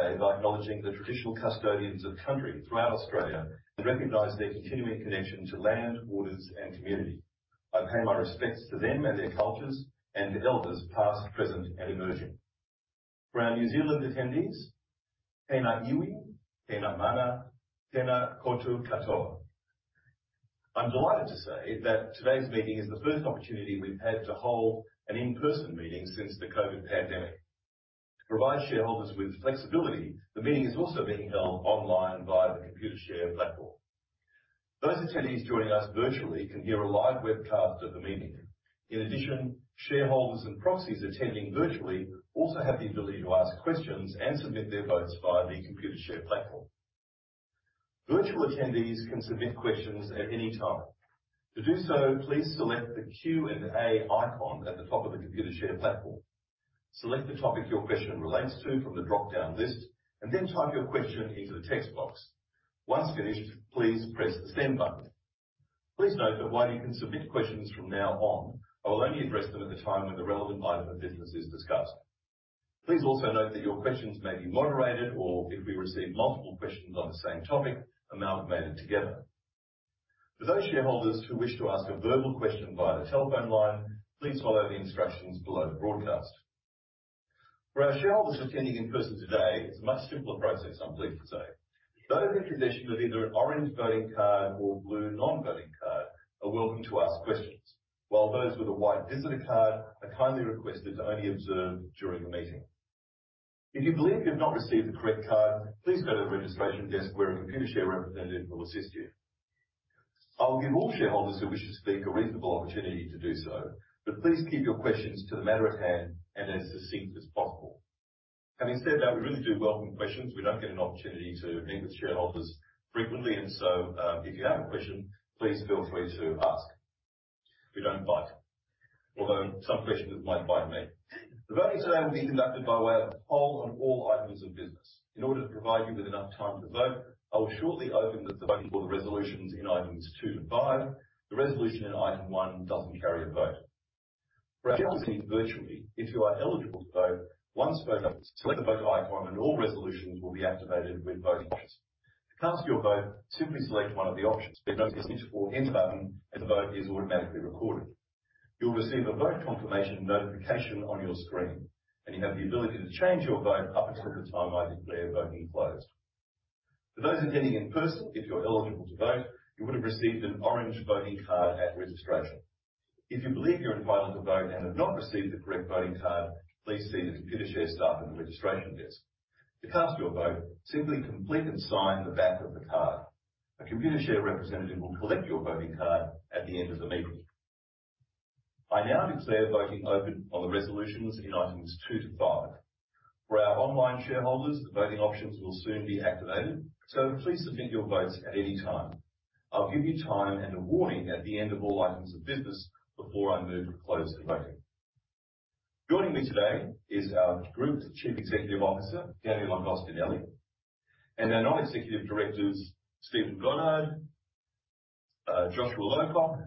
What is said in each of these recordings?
I acknowledge the Traditional Custodians of Country throughout Australia and recognize their continuing connection to land, waters, and community. I pay my respects to them and their cultures and to Elders past, present, and emerging. For our New Zealand attendees, Tēnā iwi, tēnā mana, tēnā koutou katoa. I'm delighted to say that today's meeting is the first opportunity we've had to hold an in-person meeting since the COVID pandemic. To provide shareholders with flexibility, the meeting is also being held online via the Computershare platform. Those attendees joining us virtually can hear a live webcast of the meeting. In addition, shareholders and proxies attending virtually also have the ability to ask questions and submit their votes via the Computershare platform. Virtual attendees can submit questions at any time. To do so, please select the Q&A icon at the top of the Computershare platform. Select the topic your question relates to from the dropdown list and then type your question into the text box. Once finished, please press the send button. Please note that while you can submit questions from now on, I will only address them at the time when the relevant item of business is discussed. Please also note that your questions may be moderated or if we receive multiple questions on the same topic, amalgamated together. For those shareholders who wish to ask a verbal question via the telephone line, please follow the instructions below the broadcast. For our shareholders attending in person today, it's a much simpler process, I'm pleased to say. Those in possession of either an orange voting card or blue non-voting card are welcome to ask questions. While those with a white visitor card are kindly requested to only observe during the meeting. If you believe you've not received the correct card, please go to the registration desk, where a Computershare representative will assist you. I'll give all shareholders who wish to speak a reasonable opportunity to do so, but please keep your questions to the matter at hand and as succinct as possible. Having said that, we really do welcome questions. We don't get an opportunity to meet with shareholders frequently and so, if you have a question, please feel free to ask. We don't bite, although some questions might bite me. The voting today will be conducted by way of a poll on all items of business. In order to provide you with enough time to vote, I will shortly open the voting for the resolutions in items two to five. The resolution in item one doesn't carry a vote. For our shareholders attending virtually, if you are eligible to vote, once open, select the vote icon and all resolutions will be activated with voting options. To cast your vote, simply select one of the options, then press the orange end button, and the vote is automatically recorded. You'll receive a vote confirmation notification on your screen, and you have the ability to change your vote up until the time I declare voting closed. For those attending in person, if you're eligible to vote, you would have received an orange voting card at registration. If you believe you're entitled to vote and have not received the correct voting card, please see the Computershare staff at the registration desk. To cast your vote, simply complete and sign the back of the card. A Computershare representative will collect your voting card at the end of the meeting. I now declare voting open on the resolutions in items two to five. For our online shareholders, the voting options will soon be activated, so please submit your votes at any time. I'll give you time and a warning at the end of all items of business before I move to close the voting. Joining me today is our Group Chief Executive Officer, Daniel Agostinelli, and our Non-Executive Directors, Stephen Goddard, Joshua Lowcock,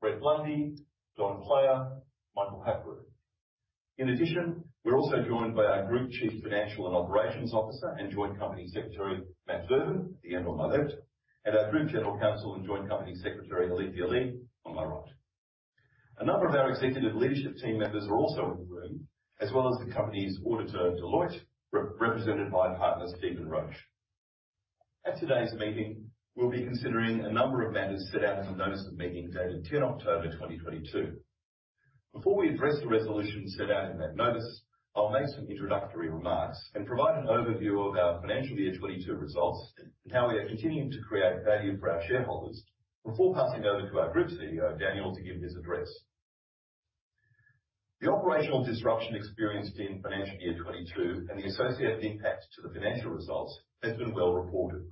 Brett Blundy, Donna Player, Michael Hapgood. In addition, we're also joined by our Group Chief Financial and Operations Officer and Joint Company Secretary, Matthew Durbin, at the end on my left, and our Group General Counsel and Joint Company Secretary, Alethea Lee, on my right. A number of our executive leadership team members are also in the room, as well as the company's auditor, Deloitte, represented by partner Stephen Roche. At today's meeting, we'll be considering a number of matters set out in the Notice of Meeting dated 10 October 2022. Before we address the resolution set out in that notice, I'll make some introductory remarks and provide an overview of our financial year 2022 results and how we are continuing to create value for our shareholders before passing over to our Group CEO, Daniel, to give his address. The operational disruption experienced in financial year 2022 and the associated impact to the financial results has been well reported.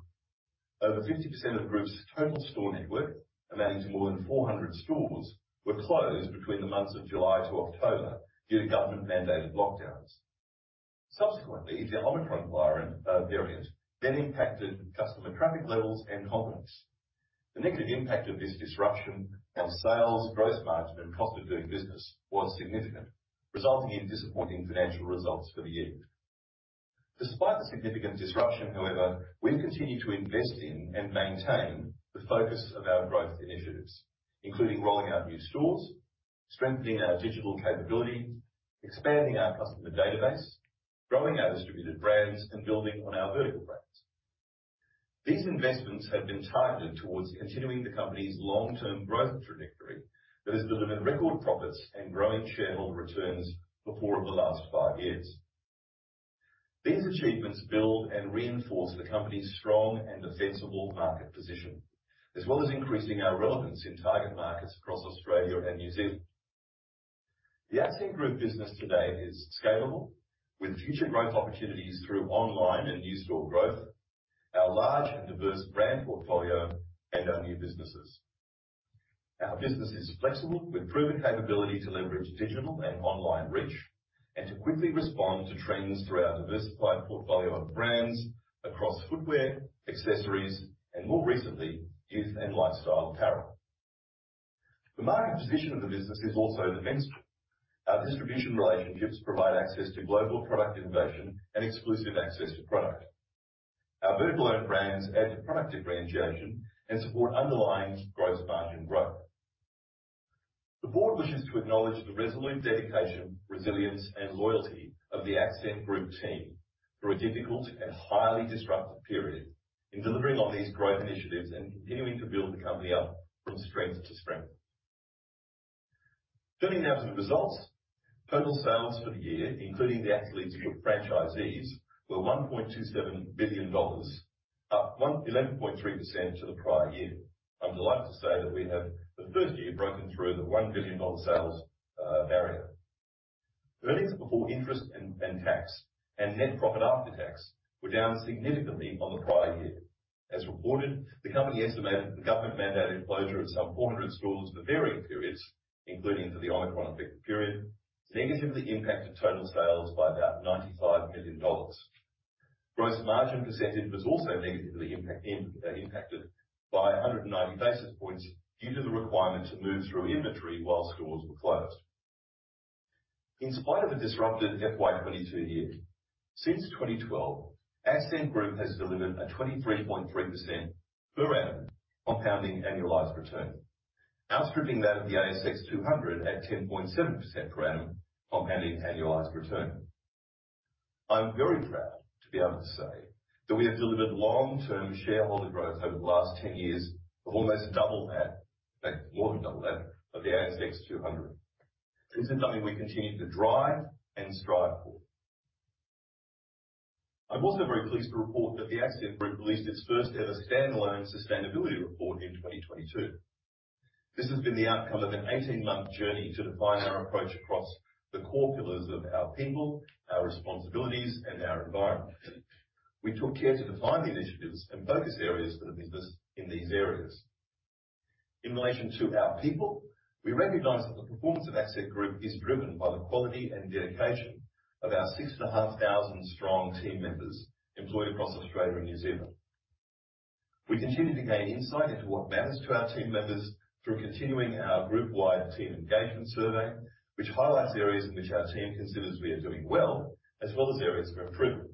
Over 50% of Accent Group's total store network, amounting to more than 400 stores, were closed between the months of July to October due to government-mandated lockdowns. Subsequently, the Omicron variant then impacted customer traffic levels and confidence. The negative impact of this disruption on sales, gross margin, and cost of doing business was significant, resulting in disappointing financial results for the year. Despite the significant disruption, however, we've continued to invest in and maintain the focus of our growth initiatives, including rolling out new stores, strengthening our digital capabilities, expanding our customer database, growing our distributed brands, and building on our vertical brands. These investments have been targeted towards continuing the company's long-term growth trajectory that has delivered record profits and growing shareholder returns for four of the last five years. These achievements build and reinforce the company's strong and defensible market position, as well as increasing our relevance in target markets across Australia and New Zealand. The Accent Group business today is scalable with future growth opportunities through online and new store growth, our large and diverse brand portfolio, and our new businesses. Our business is flexible with proven capability to leverage digital and online reach. To quickly respond to trends throughout our diversified portfolio of brands across footwear, accessories, and more recently, gift and lifestyle apparel. The market position of the business is also immense. Our distribution relationships provide access to global product innovation and exclusive access to product. Our vertical owned brands add to product differentiation and support underlying gross margin growth. The board wishes to acknowledge the resolute dedication, resilience, and loyalty of the Accent Group team through a difficult and highly disruptive period in delivering on these growth initiatives and continuing to build the company up from strength to strength. Turning now to the results. Total sales for the year, including The Athlete's Foot franchisees, were AUD 1.27 billion, up 11.3% to the prior year. I'm delighted to say that we have for the first year broken through the 1 billion dollar sales barrier. Earnings before interest and tax and net profit after tax were down significantly on the prior year. As reported, the company estimated the government-mandated closure of some 400 stores for varying periods, including for the Omicron-affected period, negatively impacted total sales by about 95 million dollars. Gross margin percentage was also negatively impacted by 190 basis points due to the requirement to move through inventory while stores were closed. In spite of a disrupted FY 2022 year, since 2012, Accent Group has delivered a 23.3% per annum compounding annualized return, outstripping that of the ASX 200 at 10.7% per annum compounding annualized return. I'm very proud to be able to say that we have delivered long-term shareholder growth over the last 10 years of almost double that, in fact, more than double that, of the ASX 200. This is something we continue to drive and strive for. I'm also very pleased to report that the Accent Group released its first-ever standalone sustainability report in 2022. This has been the outcome of an 18-month journey to define our approach across the core pillars of our people, our responsibilities, and our environment. We took care to define the initiatives and focus areas for the business in these areas. In relation to our people, we recognize that the performance of Accent Group is driven by the quality and dedication of our 6,500-strong team members employed across Australia and New Zealand. We continue to gain insight into what matters to our team members through continuing our group-wide team engagement survey, which highlights areas in which our team considers we are doing well, as well as areas for improvement.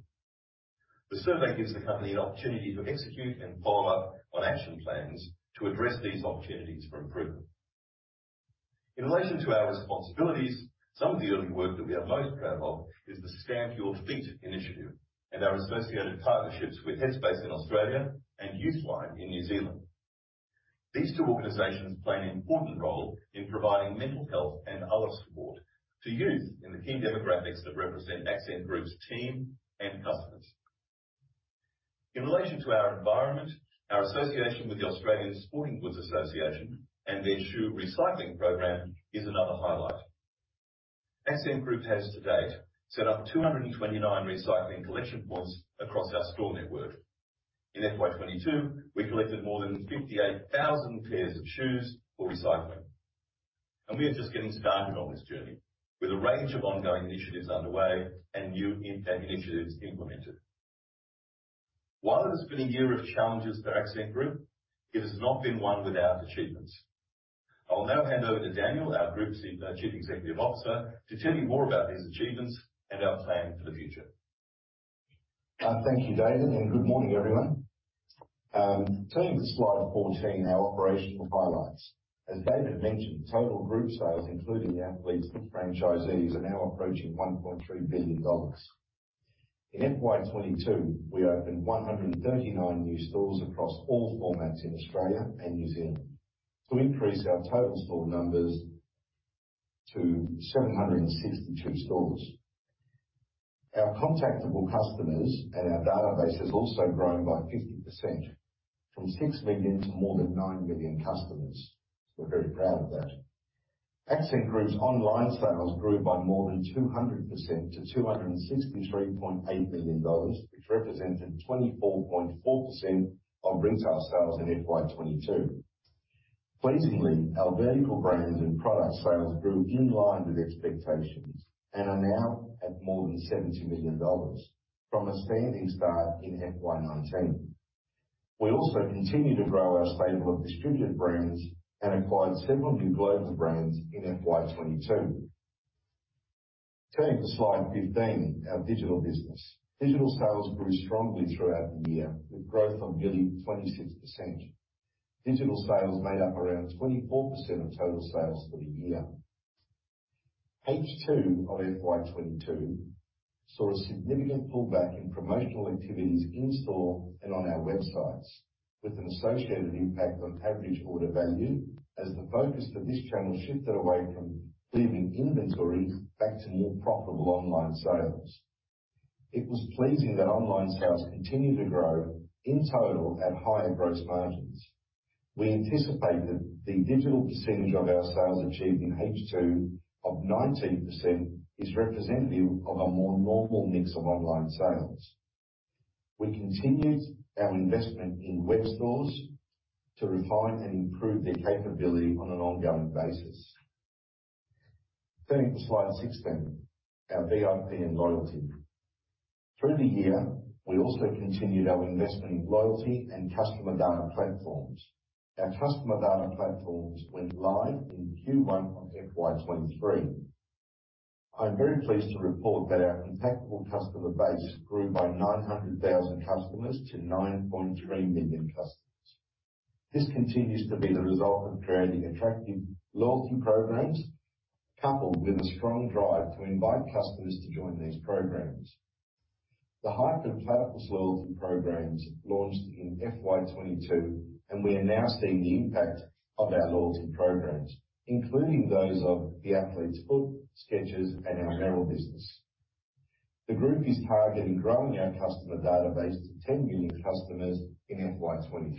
The survey gives the company an opportunity to execute and follow up on action plans to address these opportunities for improvement. In relation to our responsibilities, some of the early work that we are most proud of is the Scan Your Feet Initiative and our associated partnerships with headspace in Australia and Youthline in New Zealand. These two organizations play an important role in providing mental health and other support to youth in the key demographics that represent Accent Group's team and customers. In relation to our environment, our association with the Australian Sporting Goods Association and their shoe recycling program is another highlight. Accent Group has to date set up 229 recycling collection points across our store network. In FY 2022, we collected more than 58,000 pairs of shoes for recycling. We are just getting started on this journey with a range of ongoing initiatives underway and new initiatives implemented. While it has been a year of challenges for Accent Group, it has not been one without achievements. I will now hand over to Daniel, our Group Chief Executive Officer, to tell you more about these achievements and our plan for the future. Thank you, David, and good morning, everyone. Turning to slide 14, our operational highlights. As David mentioned, total group sales, including The Athlete's Foot franchisees, are now approaching 1.3 billion dollars. In FY 2022, we opened 139 new stores across all formats in Australia and New Zealand to increase our total store numbers to 762 stores. Our contactable customers and our database has also grown by 50% from 6 million to more than 9 million customers. We're very proud of that. Accent Group's online sales grew by more than 200% to 263.8 million dollars, which represented 24.4% of retail sales in FY 2022. Pleasingly, our vertical brands and product sales grew in line with expectations and are now at more than 70 million dollars from a standing start in FY 2019. We also continue to grow our stable of distributed brands and acquired several new global brands in FY 2022. Turning to slide 15, our digital business. Digital sales grew strongly throughout the year with growth of nearly 26%. Digital sales made up around 24% of total sales for the year. H2 of FY 2022 saw a significant pullback in promotional activities in-store and on our websites, with an associated impact on average order value as the focus for this channel shifted away from clearing inventory back to more profitable online sales. It was pleasing that online sales continued to grow in total at higher gross margins. We anticipated the digital percentage of our sales achieved in H2 of 19% is representative of a more normal mix of online sales. We continued our investment in web stores to refine and improve their capability on an ongoing basis. Turning to slide 16, our VIP and loyalty. Through the year, we also continued our investment in loyalty and customer data platforms. Our customer data platforms went live in Q1 of FY 2023. I'm very pleased to report that our contactable customer base grew by 900,000 customers to 9.3 million customers. This continues to be the result of creating attractive loyalty programs, coupled with a strong drive to invite customers to join these programs. The Hype DC and Platypus loyalty programs launched in FY 2022, and we are now seeing the impact of our loyalty programs, including those of The Athlete's Foot, Skechers and our Merrell business. The group is targeting growing our customer database to 10 million customers in FY 2023.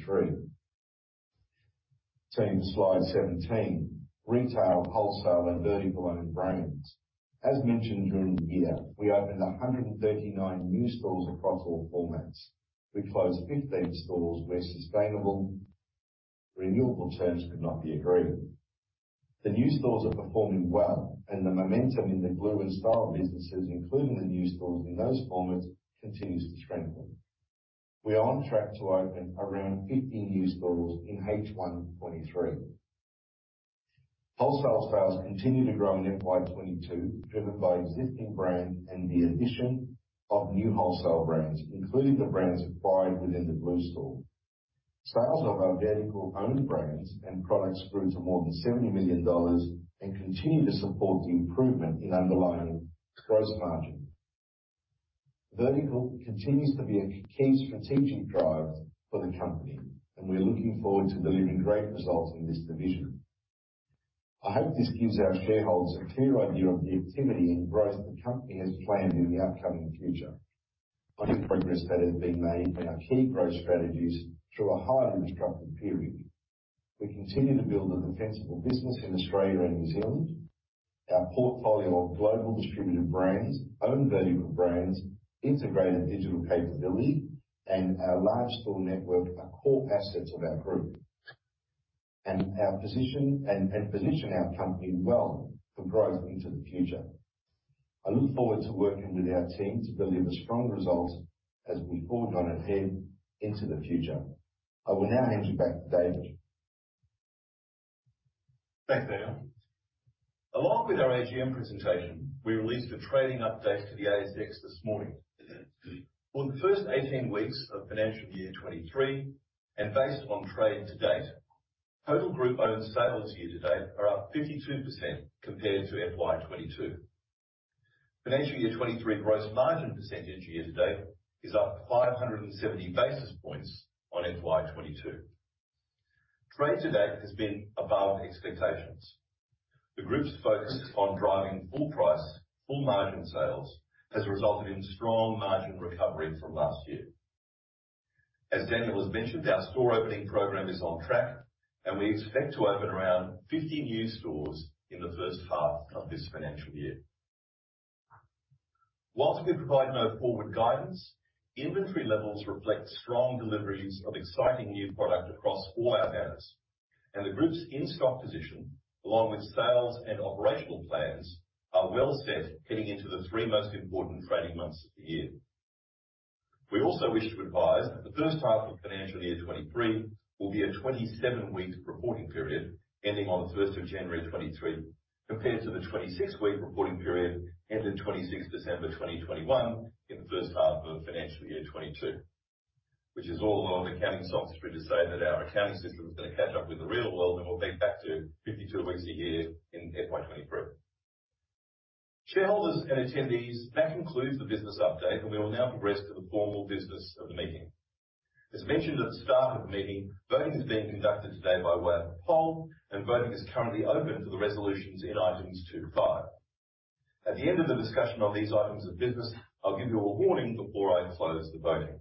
Turning to slide 17, retail, wholesale and vertical owned brands. As mentioned during the year, we opened 139 new stores across all formats. We closed 15 stores where suitable renewal terms could not be agreed. The new stores are performing well and the momentum in the Blue and Star Businesses, including the new stores in those formats, continues to strengthen. We are on track to open around 50 new stores in H1 2023. Wholesale sales continued to grow in FY 2022, driven by existing brands and the addition of new wholesale brands, including the brands acquired within the Blue store. Sales of our vertical owned brands and products grew to more than 70 million dollars and continue to support the improvement in underlying gross margin. Vertical continues to be a key strategic driver for the company and we're looking forward to delivering great results in this division. I hope this gives our shareholders a clear idea of the activity and growth the company has planned in the upcoming future on the progress that has been made and our key growth strategies through a highly disruptive period. We continue to build a defensible business in Australia and New Zealand. Our portfolio of global distributed brands, owned vertical brands, integrated digital capability and our large store network are core assets of our group. Position our company well for growth into the future. I look forward to working with our team to deliver strong results as we all run ahead into the future. I will now hand you back to David. Thanks, Daniel. Along with our AGM presentation, we released a trading update to the ASX this morning. For the first 18 weeks of financial year 2023, and based on trade to date, total Group-owned sales year to date are up 52% compared to FY 2022. Financial year 2023 gross margin percentage year to date is up 570 basis points on FY 2022. Trade to date has been above expectations. The group's focus on driving full-price, full-margin sales has resulted in strong margin recovery from last year. As Daniel has mentioned, our store opening program is on track and we expect to open around 50 new stores in the first half of this financial year. While we provide no forward guidance, inventory levels reflect strong deliveries of exciting new product across all our banners. The group's in-stock position, along with sales and operational plans, are well set heading into the three most important trading months of the year. We also wish to advise that the first half of financial year 2023 will be a 27-week reporting period ending on the 1 January 2023, compared to the 26-week reporting period ending 26 December 2021 in the first half of financial year 2022. Which is all a lot of accounting jargon for me to say that our accounting system is gonna catch up with the real world, and we'll be back to 52 weeks a year in FY 2023. Shareholders and attendees, that concludes the business update, and we will now progress to the formal business of the meeting. As mentioned at the start of the meeting, voting is being conducted today by way of a poll, and voting is currently open for the resolutions in items two to five. At the end of the discussion on these items of business, I'll give you a warning before I close the voting.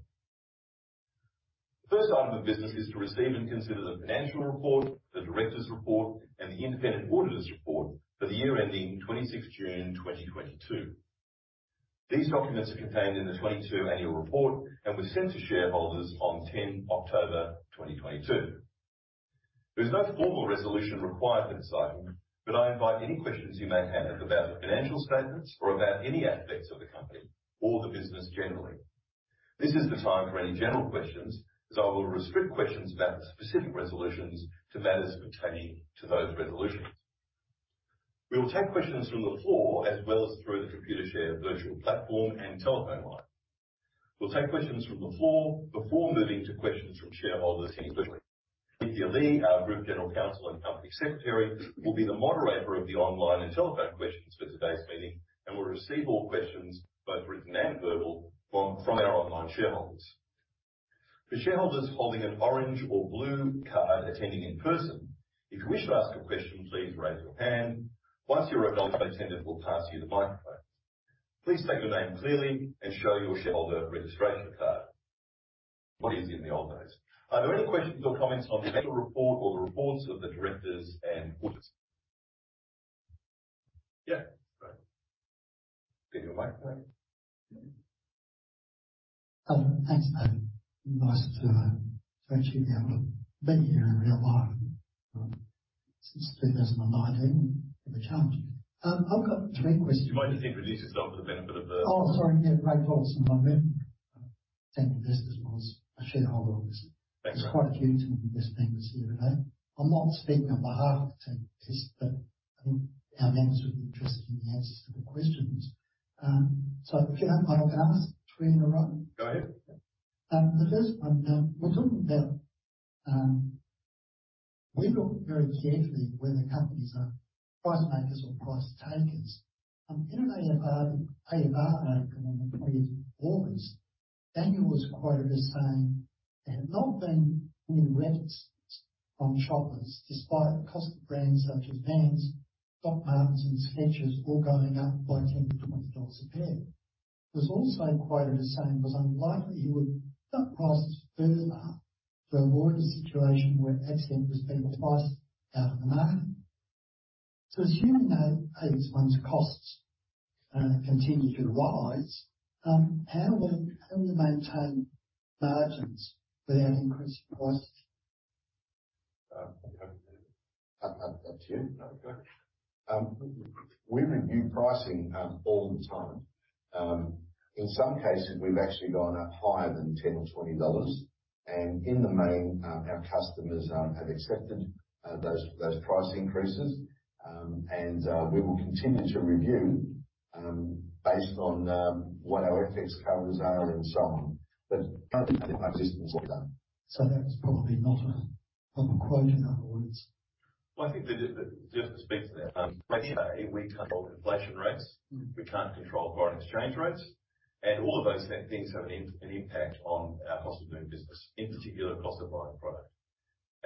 The first item of business is to receive and consider the Financial Report, the Directors' Report, and the Independent Auditors' Report for the year ending 26th June 2022. These documents are contained in the 2022 Annual Report and were sent to shareholders on 10th October 2022. There's no formal resolution required for this item, but I invite any questions you may have about the financial statements or about any aspects of the company or the business generally. This is the time for any general questions, as I will restrict questions about specific resolutions to matters pertaining to those resolutions. We will take questions from the floor as well as through the Computershare virtual platform and telephone line. We'll take questions from the floor before moving to questions from shareholders here virtually. Alethea Lee, our Group General Counsel and Company Secretary, will be the moderator of the online and telephone questions for today's meeting and will receive all questions, both written and verbal, from our online shareholders. For shareholders holding an orange or blue card attending in person, if you wish to ask a question, please raise your hand. Once you're acknowledged, an attendant will pass you the microphone. Please state your name clearly and show your shareholder registration card. What is in the old days? Are there any questions or comments on the Annual Report or the reports of the Directors and Auditors? Yeah. Right. In your mic, mate. Oh, thanks, David. Nice to virtually be able to meet you in real life since 2019. Bit of a change. I've got three questions. You might just introduce yourself for the benefit of the. Oh, sorry. Yeah. Ray Paulson, I'm a shareholder of this. Thanks, Ray. There's quite a few too many missed things here today. I'm not speaking on behalf of the team, just that I think our members would be interested in the answers to the questions. If you don't mind, I'll ask three in a row. Go ahead. We look very carefully where the companies are price makers or price takers. In an AFR article on the 20th August, Daniel was quoted as saying there had not been any reticence from shoppers despite the cost of brands such as Vans, Doc Martens and Skechers all going up by 10-20 dollars a pair. He was also quoted as saying it was unlikely he would cut prices further to avoid a situation where Accent was being priced out of the market. Assuming that input costs continue to rise, how will you maintain margins without increasing prices? Okay. That's you. Okay. We review pricing all the time. In some cases, we've actually gone up higher than 10 or 20 dollars. In the main, our customers have accepted those price increases. We will continue to review based on what our FX covers are and so on. Don't think there's been much resistance at all. That's probably not a proper quote, in other words. Well, I think that it just to speak to that. At the end of the day, we can't control inflation rates. Mm-hmm. We can't control foreign exchange rates. All of those things have an impact on our cost of doing business, in particular the cost of buying product.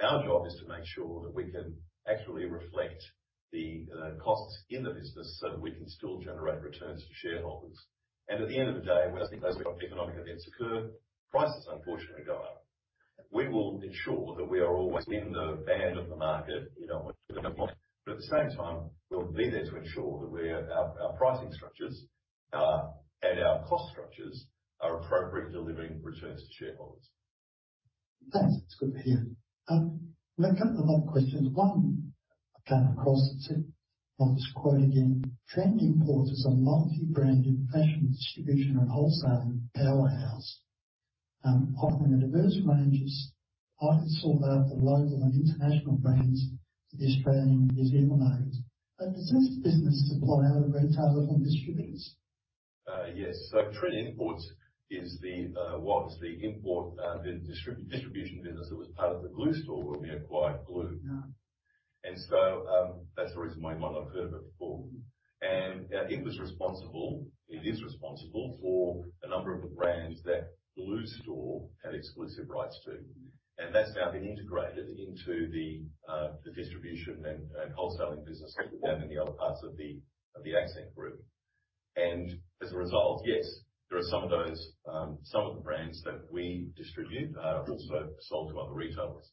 Our job is to make sure that we can actually reflect the costs in the business so that we can still generate returns for shareholders. At the end of the day, when I think those kind of economic events occur, prices unfortunately go up. We will ensure that we are always in the band of the market in our competitive market. At the same time, we'll be there to ensure that our pricing structures and our cost structures are appropriately delivering returns to shareholders. Thanks. That's good to hear. I've got a lot of questions. One I came across that said, I'll just quote again, "Trend Imports is a multi-brand international distribution and wholesaling powerhouse, offering a diverse range of highly sought after local and international brands to the Australian and New Zealand markets." Does this business supply other retailers and distributors? Yes. Trend Imports was the import distribution business that was part of the Glue Store when we acquired Glue. Yeah. That's the reason why you might not have heard of it before. It is responsible for a number of the brands that Glue Store had exclusive rights to, and that's now been integrated into the distribution and wholesaling business that we have in the other parts of the Accent Group. As a result, yes, there are some of those, some of the brands that we distribute are also sold to other retailers.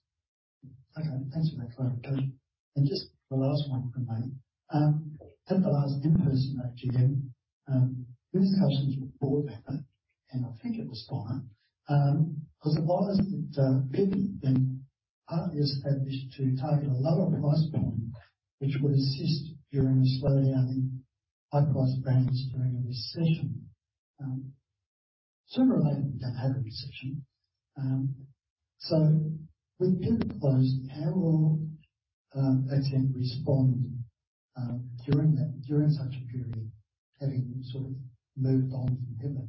Okay. Thanks for that clarification. Just the last one from me. At the last in-person AGM, with the company's board paper, and I think it was fine, I was advised that Pivot had been partly established to target a lower price point, which would assist during a slowdown in high-priced brands during a recession. Similarly, we don't have a recession. With Pivot closed, how will Accent respond during such a period, having sort of moved on from Pivot?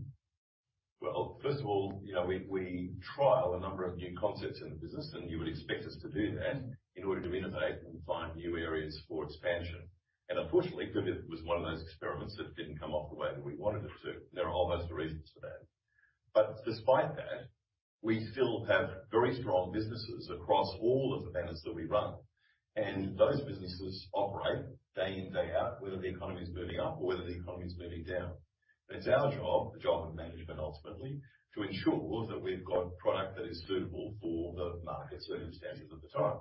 Well, first of all, you know, we trial a number of new concepts in the business, and you would expect us to do that in order to innovate and find new areas for expansion. Unfortunately, Pivot was one of those experiments that didn't come off the way that we wanted it to. There are all those reasons for that. Despite that, we still have very strong businesses across all of the banners that we run. Those businesses operate day in, day out, whether the economy is moving up or whether the economy is moving down. It's our job, the job of management, ultimately, to ensure that we've got product that is suitable for the market circumstances at the time.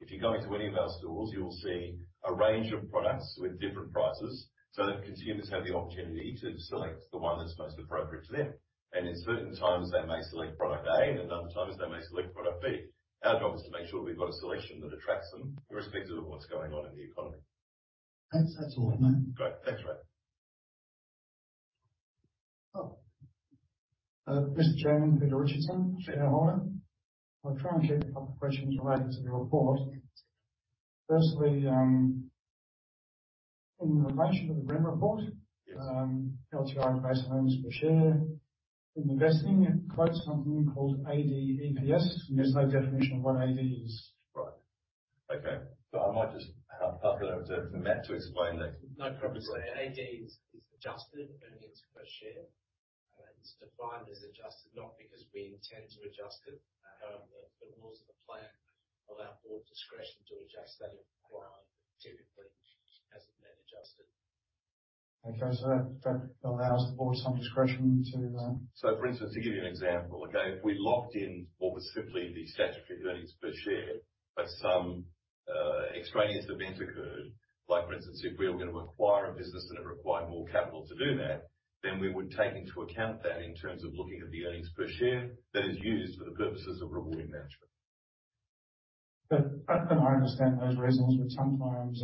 If you go into any of our stores, you'll see a range of products with different prices so that consumers have the opportunity to select the one that's most appropriate to them. In certain times, they may select product A, and in other times they may select product B. Our job is to make sure we've got a selection that attracts them irrespective of what's going on in the economy. That's all from me. Great. Thanks, Ray. Mr. Chairman, Peter Richardson, shareholder. I'll try and keep a couple of questions related to the report. Firstly, in relation to the remuneration report. Yes. LTI-based Earnings per Share in vesting, it quotes something called adjusted EPS. Yes. There's no definition of what EPS. Right. Okay. I might just hand it over to Matt to explain that. No problem. Adjusted EPS is adjusted Earnings per Share. It's defined as adjusted, not because we intend to adjust it. However, the rules of the plan allow board discretion to adjust that if required. Typically, it hasn't been adjusted. Okay. That allows the board some discretion to, For instance, to give you an example, okay. If we locked in what was simply the statutory Earnings per Share, but some extraneous events occurred, like for instance, if we were gonna acquire a business and it required more capital to do that, then we would take into account that in terms of looking at the Earnings per Share that is used for the purposes of rewarding management. I understand those reasons, but sometimes,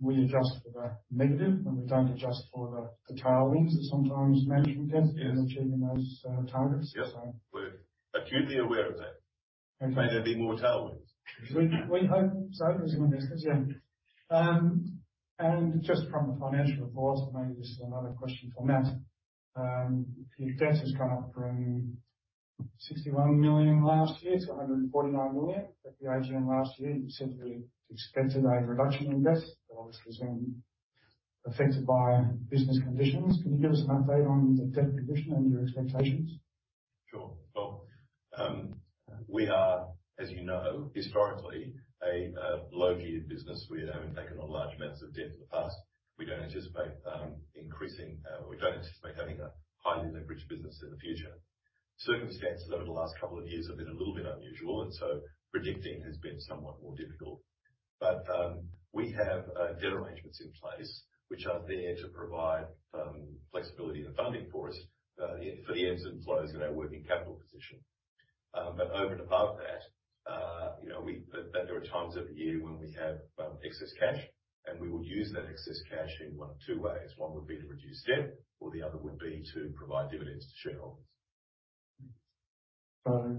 we adjust for the negative and we don't adjust for the tailwinds that sometimes management gets. Yes. in achieving those targets. Yes. We're acutely aware of that. Okay. May there be more tailwinds. We hope so as investors. Yeah. Just from the Financial Report, maybe this is another question for Matt. Your debt has gone up from 61 million last year to 149 million. At the AGM last year, you said that you expected a reduction in debt that obviously has been affected by business conditions. Can you give us an update on the debt position and your expectations? Sure. Well, we are, as you know, historically a low geared business. We haven't taken on large amounts of debt in the past. We don't anticipate having a highly leveraged business in the future. Circumstances over the last couple of years have been a little bit unusual, and so predicting has been somewhat more difficult. We have debt arrangements in place which are there to provide flexibility and funding for us for the ebbs and flows in our working capital position. Over and above that, you know, there are times of the year when we have excess cash, and we will use that excess cash in one of two ways. One would be to reduce debt or the other would be to provide dividends to shareholders. So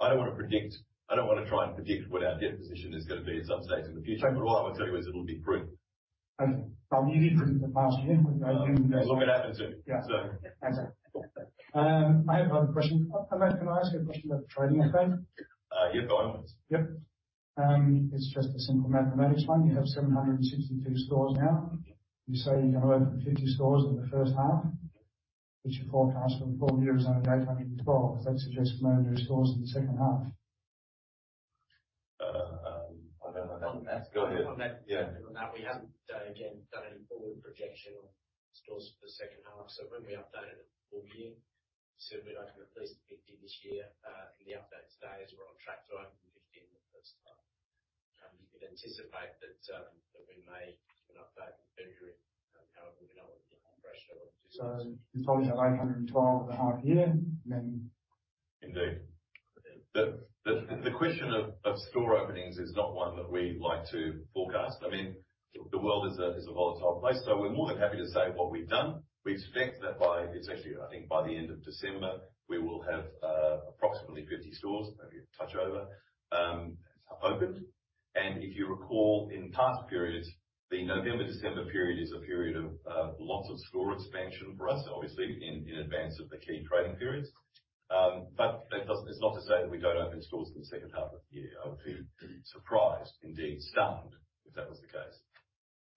I don't wanna try and predict what our debt position is gonna be at some stage in the future, but what I will tell you is it'll be prudent. You need to. We'll look it up and see. Yeah. So. Thanks. I have another question. Matt, can I ask you a question about the trading update? You go on. Yep. It's just a simple mathematics one. You have 762 stores now. You say you're gonna open 50 stores in the first half, which you forecast for the full year is only 812. Does that suggest no new stores in the second half? I don't know. Matt, go ahead. On that. Yeah. On that we haven't done any forward projection on stores for the second half. When we update at the full year, certainly we're looking at least 50 this year. In the update today, we're on track to open 50 in the first half. You can anticipate that we may give an update in February. However, we know You're telling me that 812 half-year, and then. Indeed. The question of store openings is not one that we like to forecast. I mean, the world is a volatile place, so we're more than happy to say what we've done. We expect that. It's actually, I think by the end of December, we will have approximately 50 stores, maybe a touch over, opened. If you recall in past periods, the November, December period is a period of lots of store expansion for us, obviously in advance of the key trading periods. It's not to say that we don't open stores in the second half of the year. I would be surprised, indeed stunned, if that was the case.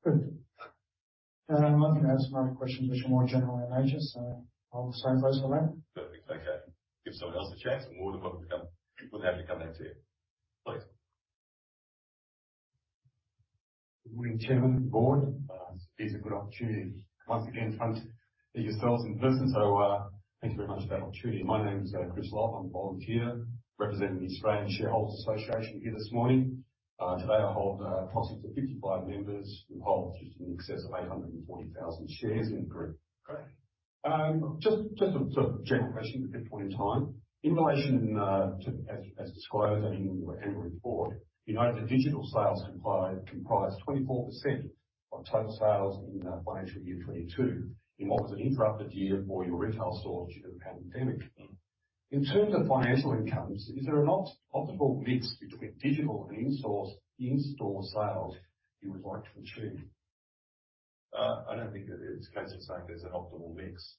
Good. I'm not gonna ask more questions which are more general in nature, so I'll stay close for that. Perfect. Okay. Give someone else a chance. We're more than welcome to come. We're happy to come back to you. Please. Good morning, Chairman, board. It's a good opportunity once again in front of yourselves in person. Thank you very much for that opportunity. My name is Chris Love. I'm a volunteer representing the Australian Shareholders' Association here this morning. Today I hold a constituency of 55 members who hold just in excess of 840,000 shares in Accent Group. Great. Just a sort of general question to kick off at this point in time. In relation to, as disclosed in your Annual Report, you note that digital sales comprise 24% of total sales in financial year 2022, in what was an interrupted year for your retail stores due to the pandemic. In terms of financial outcomes, is there an optimal mix between digital and in-store sales you would like to achieve? I don't think that it's a case of saying there's an optimal mix.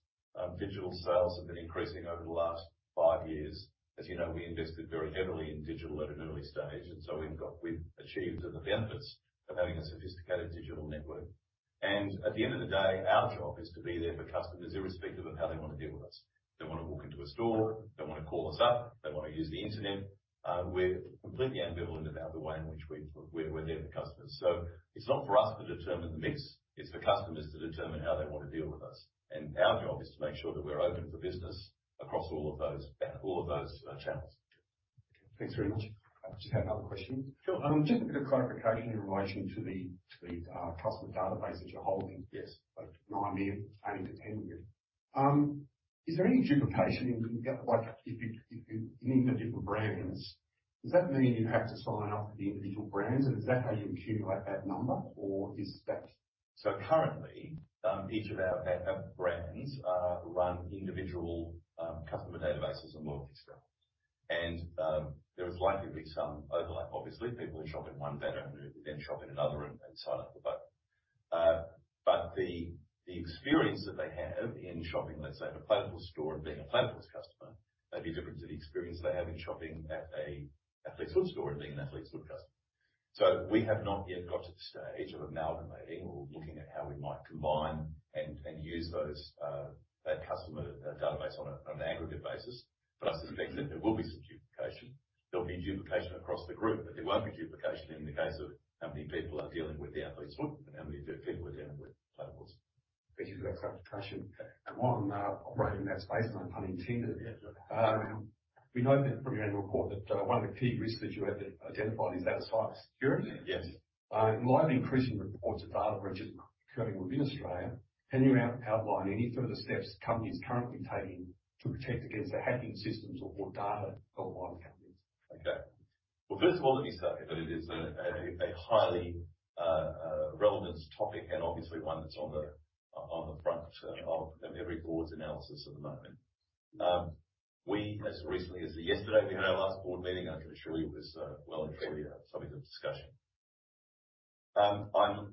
Digital sales have been increasing over the last five years. As you know, we invested very heavily in digital at an early stage, and so we've achieved the benefits of having a sophisticated digital network. At the end of the day, our job is to be there for customers irrespective of how they wanna deal with us. They wanna walk into a store, they wanna call us up, they wanna use the internet. We're completely ambivalent about the way in which we're there for customers. It's not for us to determine the mix, it's for customers to determine how they want to deal with us. Our job is to make sure that we're open for business across all of those channels. Thanks very much. I just had another question. Sure. Just a bit of clarification in relation to the customer database that you're holding. Yes. Like 9 million climbing to 10 million. Is there any duplication? Like, if you need different brands, does that mean you have to sign up for the individual brands and is that how you accumulate that number or is that- Currently, each of our brands run individual customer databases and loyalty schemes. There is likely to be some overlap. Obviously, people who shop in one then shop in another and sign up for both. The experience that they have in shopping, let's say at a Platypus store and being a Platypus customer may be different to the experience they have in shopping at a Athlete's Foot store and being an Athlete's Foot customer. We have not yet got to the stage of amalgamating or looking at how we might combine and use those that customer database on an aggregate basis. I suspect that there will be some duplication. There'll be duplication across the group, but there won't be duplication in the case of how many people are dealing with The Athlete's Foot and how many people are dealing with nail fungus. Thank you for that clarification. One operating in that space, no pun intended. Yeah. We know that from your Annual Report that one of the key risks that you had identified is that of cybersecurity. Yes. In light of increasing reports of data breaches occurring within Australia, can you outline any further steps the company is currently taking to protect against the hacking systems or data of online companies? Okay. Well, first of all, let me start by saying that it is a highly relevant topic and obviously one that's on the front of every board's analysis at the moment. We as recently as yesterday had our last board meeting. I'm sure it was well and truly a topic of discussion. I'm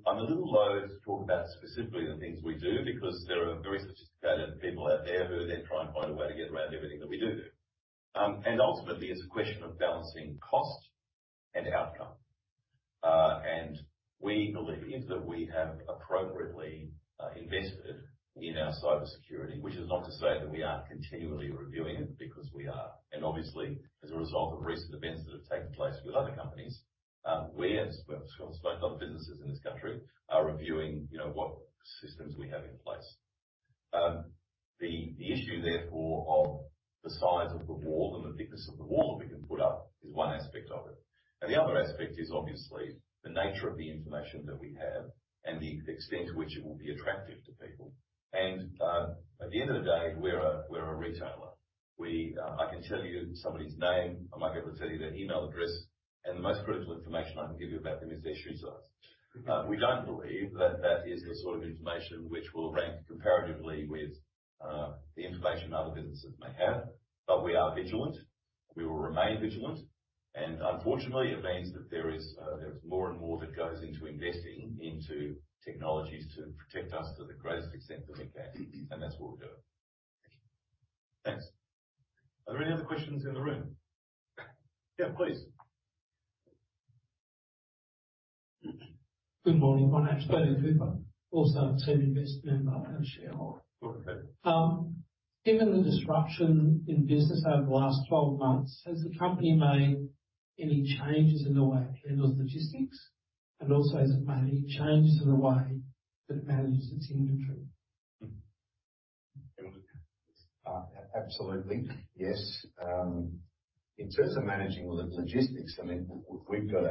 a little loath to talk about specifically the things we do because there are very sophisticated people out there who then try and find a way to get around everything that we do. Ultimately, it's a question of balancing cost and outcome. We believe that we have appropriately invested in our cybersecurity, which is not to say that we aren't continually reviewing it, because we are. Obviously, as a result of recent events that have taken place with other companies, we, as I'm sure a lot of businesses in this country are reviewing, you know, what systems we have in place. The issue therefore of the size of the wall and the thickness of the wall that we can put up is one aspect of it. At the end of the day, we're a retailer. We, I can tell you somebody's name, I might be able to tell you their email address, and the most critical information I can give you about them is their shoe size. We don't believe that is the sort of information which will rank comparatively with the information other businesses may have. We are vigilant. We will remain vigilant. Unfortunately, it means that there's more and more that goes into investing into technologies to protect us to the greatest extent that we can. That's what we're doing. Thank you. Thanks. Are there any other questions in the room? Yeah, please. Good morning. My name's David Hooper, also a Teaminvest member and shareholder. Okay. Given the disruption in business over the last 12 months, has the company made any changes in the way it handles logistics, and also has it made any changes to the way that it manages its inventory? Absolutely, yes. In terms of managing the logistics, I mean, we've got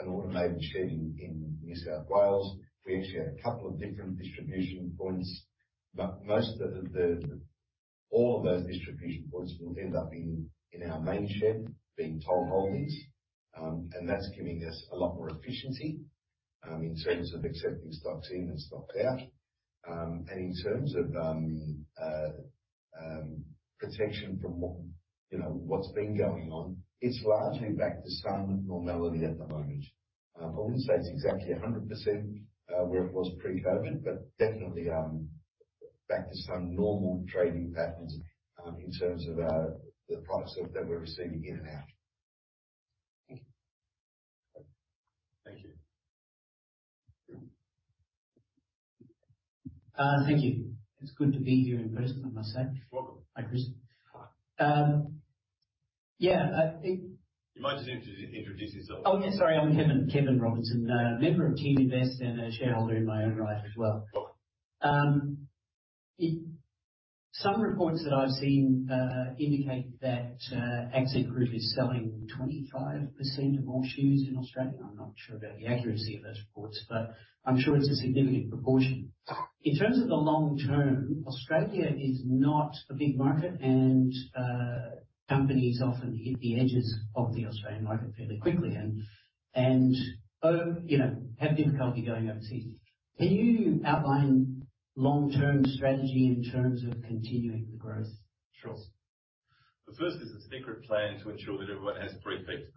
an automated shed in New South Wales. We actually have a couple of different distribution points, but all of those distribution points will end up being in our main shed, being Toll Holdings. And that's giving us a lot more efficiency in terms of accepting stocks in and stock out. And in terms of protection from what, you know, what's been going on, it's largely back to some normality at the moment. I wouldn't say it's exactly 100% where it was pre-COVID, but definitely back to some normal trading patterns in terms of the products that we're receiving in and out. Thank you. Thank you. Thank you. It's good to be here in person, I must say. You're welcome. Hi, Chris. Hi. Yeah. You might just need to introduce yourself. Oh, yeah, sorry. I'm Kevin Robinson, member of Teaminvest and a shareholder in my own right as well. Right. Some reports that I've seen indicate that Accent Group is selling 25% of all shoes in Australia. I'm not sure about the accuracy of those reports, but I'm sure it's a significant proportion. In terms of the long term, Australia is not a big market and companies often hit the edges of the Australian market fairly quickly and you know have difficulty going overseas. Can you outline long-term strategy in terms of continuing the growth? Sure. The first is a secret plan to ensure that everyone has three feet.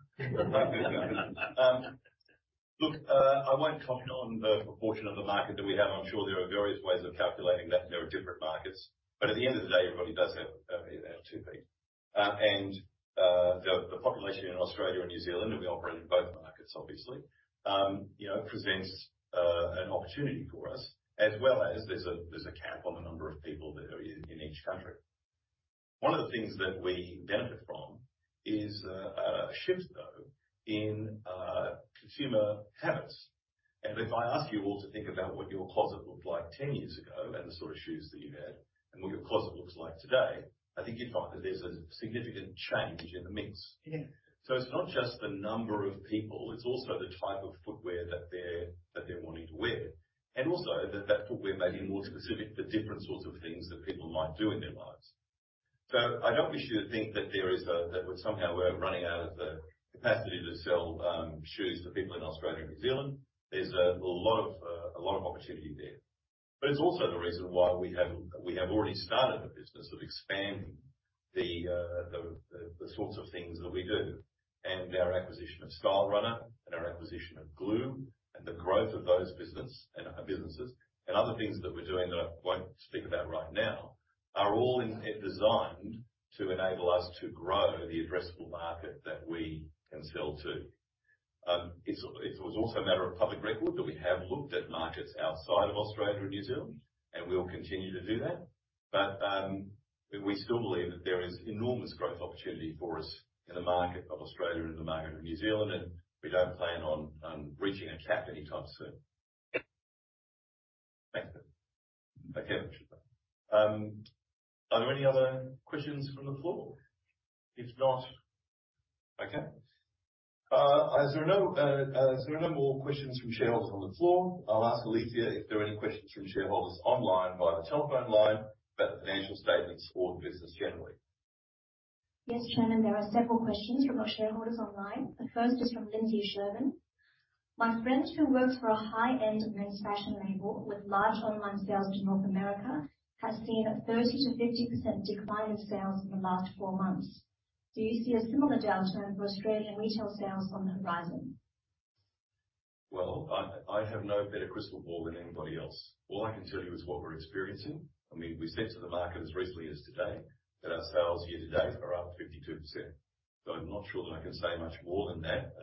Look, I won't comment on the proportion of the market that we have. I'm sure there are various ways of calculating that, and there are different markets. At the end of the day, everybody does have, you know, two feet. The population in Australia and New Zealand, and we operate in both markets, obviously, you know, presents an opportunity for us as well as there's a cap on the number of people that are in each country. One of the things that we benefit from is a shift, though, in consumer habits. If I ask you all to think about what your closet looked like 10 years ago and the sort of shoes that you had and what your closet looks like today, I think you'd find that there's a significant change in the mix. Yeah. It's not just the number of people, it's also the type of footwear that they're wanting to wear, and also that footwear may be more specific for different sorts of things that people might do in their lives. I don't wish you to think that we're somehow running out of the capacity to sell shoes to people in Australia and New Zealand. There's a lot of opportunity there. It's also the reason why we have already started a business of expanding the sorts of things that we do. Our acquisition of Stylerunner and our acquisition of Glue Store and the growth of those businesses and other things that we're doing that I won't speak about right now are all designed to enable us to grow the addressable market that we can sell to. It was also a matter of public record that we have looked at markets outside of Australia and New Zealand, and we'll continue to do that. We still believe that there is enormous growth opportunity for us in the market of Australia and the market of New Zealand, and we don't plan on reaching a cap anytime soon. Thanks. Okay. Are there any other questions from the floor? If not. Okay. As there are no more questions from shareholders on the floor, I'll ask Alethea if there are any questions from shareholders online via the telephone line about the financial statements or the business generally. Yes, Chairman. There are several questions from our shareholders online. The first is from Lindsay Shervin. My friend who works for a high-end men's fashion label with large online sales to North America, has seen a 30%-50% decline in sales in the last four months. Do you see a similar downturn for Australian retail sales on the horizon? Well, I have no better crystal ball than anybody else. All I can tell you is what we're experiencing. I mean, we said to the market as recently as today that our sales year to date are up 52%. So I'm not sure that I can say much more than that.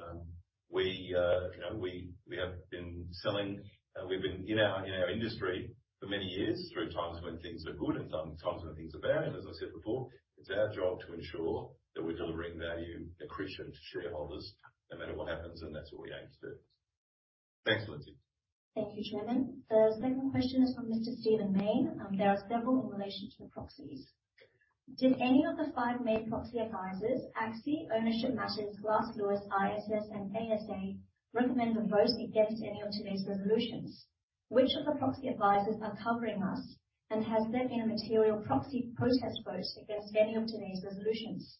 You know, we have been selling, we've been in our industry for many years through times when things are good and times when things are bad. As I said before, it's our job to ensure that we're delivering value accretion to shareholders no matter what happens, and that's what we aim to do. Thanks, Lindsay. Thank you, Chairman. The second question is from Mr. Stephen Mayne. There are several in relation to the proxies. Did any of the five main proxy advisors, ACSI, Ownership Matters, Glass Lewis, ISS, and ASA, recommend a vote against any of today's resolutions? Which of the proxy advisors are covering us, and has there been a material proxy protest vote against any of today's resolutions?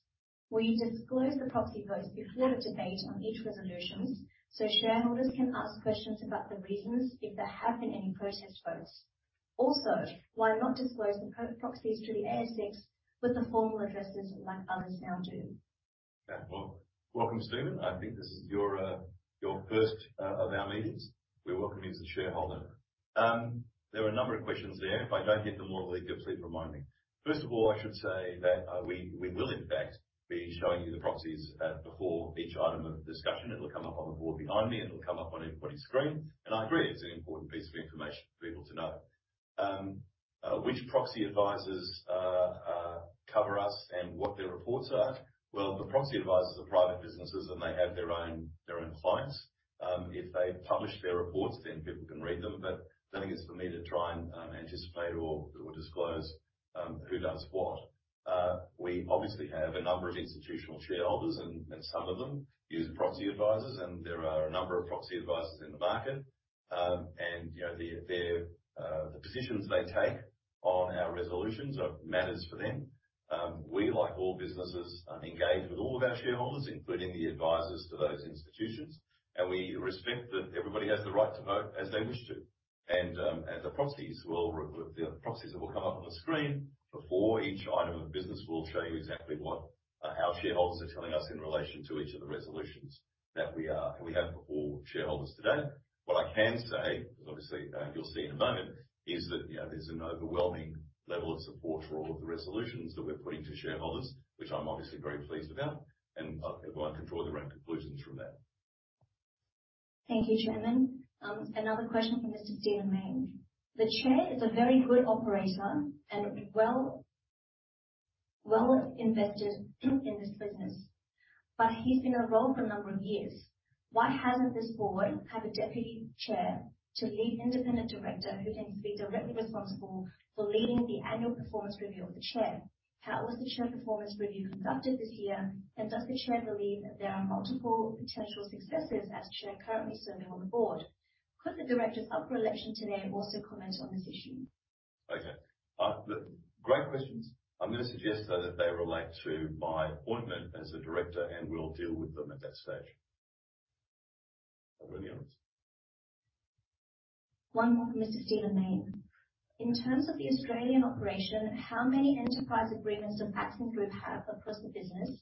Will you disclose the proxy votes before the debate on each resolution so shareholders can ask questions about the reasons if there have been any protest votes? Also, why not disclose the proxies to the ASX with the formal addresses like others now do? Yeah. Well, welcome, Stephen. I think this is your first of our meetings. We welcome you as a shareholder. There are a number of questions there. If I don't get them all, Alethea, please remind me. First of all, I should say that we will in fact be showing you the proxies before each item of discussion. It'll come up on the board behind me, and it'll come up on everybody's screen. I agree it's an important piece of information for people to know. Which proxy advisors cover us and what their reports are? Well, the proxy advisors are private businesses, and they have their own clients. If they publish their reports, then people can read them. I don't think it's for me to try and anticipate or disclose who does what. We obviously have a number of institutional shareholders and some of them use proxy advisors, and there are a number of proxy advisors in the market. You know, their positions they take on our resolutions are matters for them. We, like all businesses, engage with all of our shareholders, including the advisors to those institutions. We respect that everybody has the right to vote as they wish to. As the proxies that will come up on the screen before each item of business will show you exactly what our shareholders are telling us in relation to each of the resolutions that we have for all shareholders today. What I can say, because obviously, you'll see in a moment, is that, you know, there's an overwhelming level of support for all of the resolutions that we're putting to shareholders, which I'm obviously very pleased about, and everyone can draw their own conclusions from that. Thank you, Chairman. Another question from Mr. Stephen Mayne. The chair is a very good operator and well invested in this business, but he's been in the role for a number of years. Why hasn't this board have a deputy chair to lead independent director who can be directly responsible for leading the annual performance review of the chair? How was the Chair Performance Review conducted this year, and does the chair believe there are multiple potential successors as chair currently serving on the board? Could the directors up for election today also comment on this issue? Okay. Great questions. I'm gonna suggest, though, that they relate to my appointment as a director, and we'll deal with them at that stage. Over to you, Alethea. One more from Mr. Stephen Mayne. In terms of the Australian operation, how many enterprise agreements does Accent Group have across the business?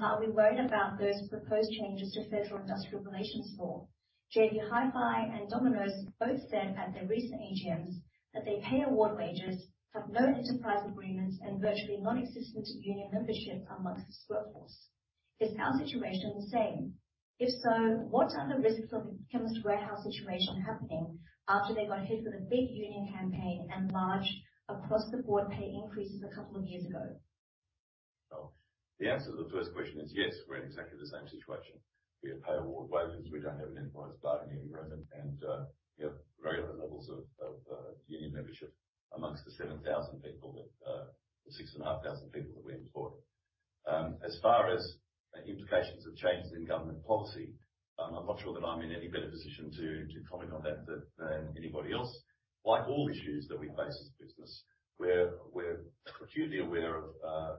Are we worried about those proposed changes to federal industrial relations law? JB Hi-Fi and Domino's both said at their recent AGMs that they pay award wages, have no enterprise agreements, and virtually non-existent union membership among its workforce. Is our situation the same? If so, what are the risks of a Chemist Warehouse situation happening after they got hit with a big union campaign and large across-the-board pay increases a couple of years ago? Well, the answer to the first question is yes, we're in exactly the same situation. We pay award wages. We don't have an enterprise bargaining agreement. We have very low levels of union membership among the 6,500 people that we employ. As far as implications of changes in government policy, I'm not sure that I'm in any better position to comment on that than anybody else. Like all issues that we face as a business, we're hugely aware of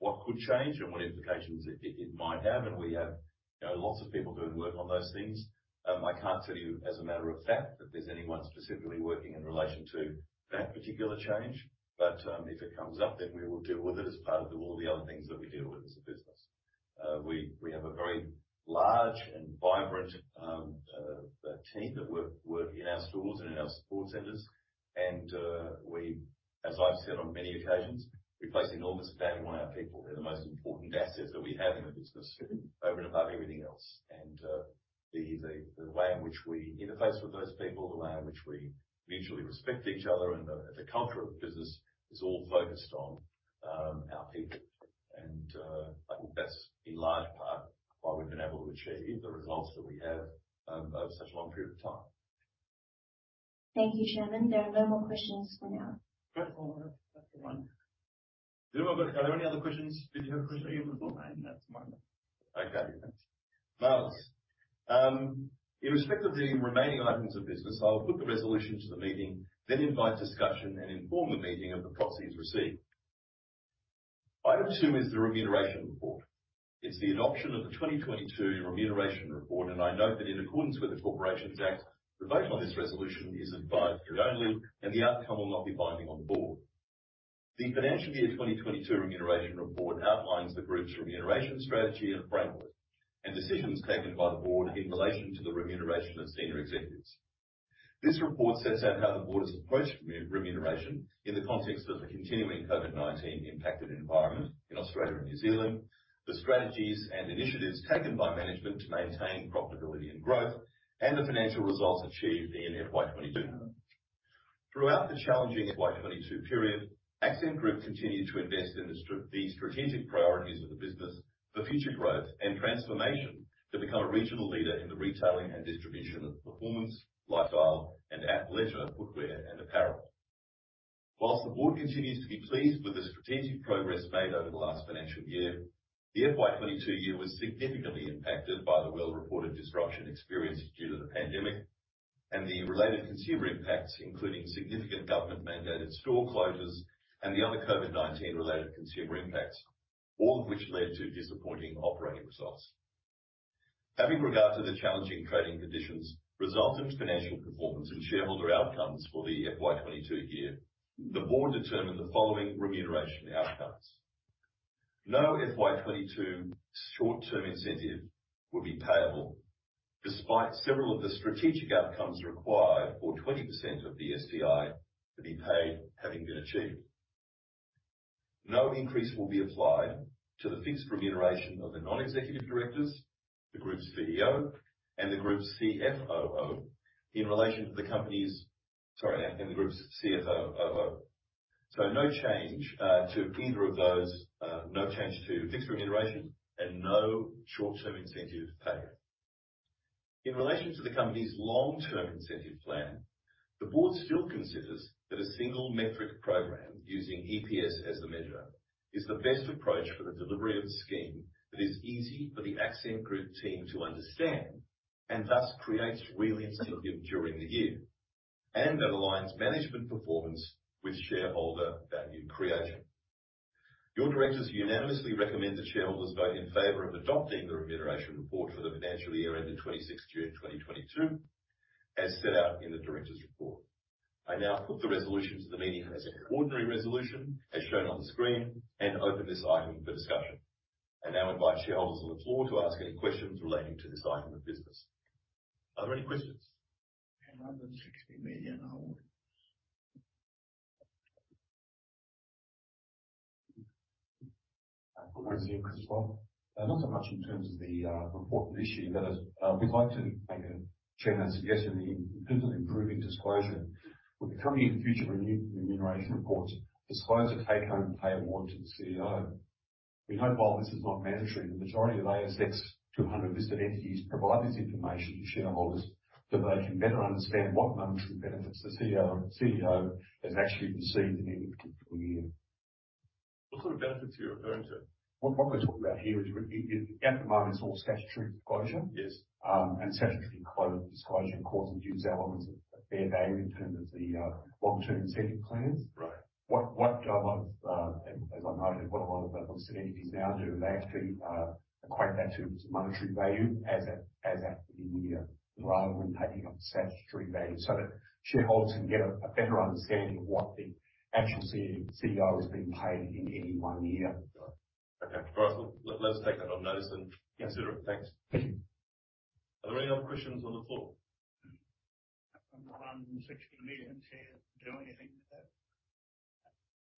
what could change and what implications it might have, and we have, you know, lots of people doing work on those things. I can't tell you as a matter of fact that there's anyone specifically working in relation to that particular change. If it comes up, then we will deal with it as part of all the other things that we deal with as a business. We have a very large and vibrant team that work in our stores and in our support centers. As I've said on many occasions, we place enormous value on our people. They're the most important assets that we have in the business, over and above everything else. The way in which we interface with those people, the way in which we mutually respect each other and the culture of the business is all focused on our people. I think that's in large part why we've been able to achieve the results that we have over such a long period of time. Thank you, Chairman. There are no more questions for now. Great. Well, that's fine. Are there any other questions? Did you have a question for you on the floor? No, that's mine. Okay. Thanks. In respect of the remaining items of business, I'll put the resolution to the meeting, then invite discussion and inform the meeting of the proxies received. Item two is the Remuneration Report. It's the adoption of the 2022 Remuneration Report, and I note that in accordance with the Corporations Act, the vote on this resolution is advisory only, and the outcome will not be binding on the board. The financial year 2022 Remuneration Report outlines the group's remuneration strategy and framework and decisions taken by the board in relation to the remuneration of senior executives. This report sets out how the board has approached remuneration in the context of the continuing COVID-19 impacted environment in Australia and New Zealand, the strategies and initiatives taken by management to maintain profitability and growth, and the financial results achieved in FY 2022. Throughout the challenging FY 2022 period, Accent Group continued to invest in the strategic priorities of the business for future growth and transformation to become a regional leader in the retailing and distribution of performance, lifestyle and athleisure, footwear and apparel. While the board continues to be pleased with the strategic progress made over the last financial year, the FY 2022 year was significantly impacted by the well-reported disruption experienced due to the pandemic and the related consumer impacts, including significant government-mandated store closures and the other COVID-19 related consumer impacts, all of which led to disappointing operating results. Having regard to the challenging trading conditions, resultant financial performance and shareholder outcomes for the FY 2022 year, the board determined the following remuneration outcomes. No FY 2022 short-term incentive will be payable despite several of the strategic outcomes required for 20% of the STI to be paid having been achieved. No increase will be applied to the fixed remuneration of the non-executive directors, the group's CEO and the group's CFOO. No change to either of those, no change to fixed remuneration and no short-term incentive payment. In relation to the company's long-term incentive plan, the board still considers that a single metric program using EPS as the measure is the best approach for the delivery of the scheme that is easy for the Accent Group team to understand and thus creates real incentive during the year, and that aligns management performance with shareholder value creation. Your directors unanimously recommend that shareholders vote in favor of adopting the remuneration report for the financial year ended 26th June 2022, as set out in the Directors' Report. I now put the resolution to the meeting as an ordinary resolution as shown on the screen and open this item for discussion. I now invite shareholders on the floor to ask any questions relating to this item of business. Are there any questions? Under the AUD 60 million award. Good morning, Chris. Welcome. Not so much in terms of the report at issue, but we'd like to make a change. Yes. In terms of improving disclosure with the coming future renewal, remuneration reports disclose the take-home pay award to the CEO. We hope, while this is not mandatory, the majority of ASX 200 listed entities provide this information to shareholders so they can better understand what monetary benefits the CEO has actually received in any particular year. What sort of benefits are you referring to? What we're talking about here is at the moment it's all statutory disclosure. Yes. Statutory disclosure, of course, ensues elements of fair value in terms of the Long-Term Incentive plans. Right. As I noted, what a lot of listed entities now do is they actually equate that to its monetary value as at the year, rather than taking the statutory value so that shareholders can get a better understanding of what the actual CEO is being paid in any one year. Okay. All right. Well, let's take that on notice then. Yes. Consider it. Thanks. Are there any other questions on the floor? Under the 60 million, Chair. Do anything with that?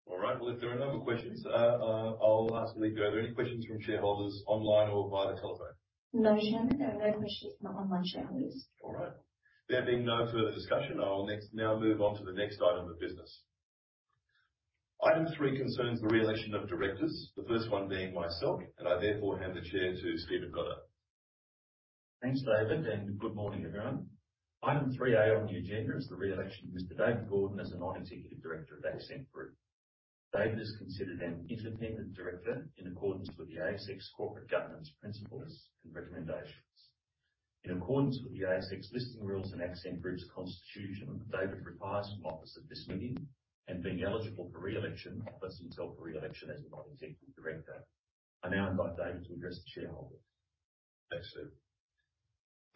All right. Well, if there are no more questions, I'll ask Alethea, are there any questions from shareholders online or via the telephone? No, Chairman, there are no questions from online shareholders. All right. There being no further discussion, I will now move on to the next item of business. Item three concerns the re-election of directors, the first one being myself, and I therefore hand the chair to Stephen Goddard. Thanks, David, and good morning, everyone. Item 3-A on the agenda is the re-election of Mr. David Gordon as a non-executive director of Accent Group. David is considered an independent director in accordance with the ASX Corporate Governance Principles and Recommendations. In accordance with the ASX Listing Rules and Accent Group's constitution, David retires from office at this meeting and being eligible for re-election, puts himself for re-election as a non-executive director. I now invite David to address the Chair. Thanks, Steve.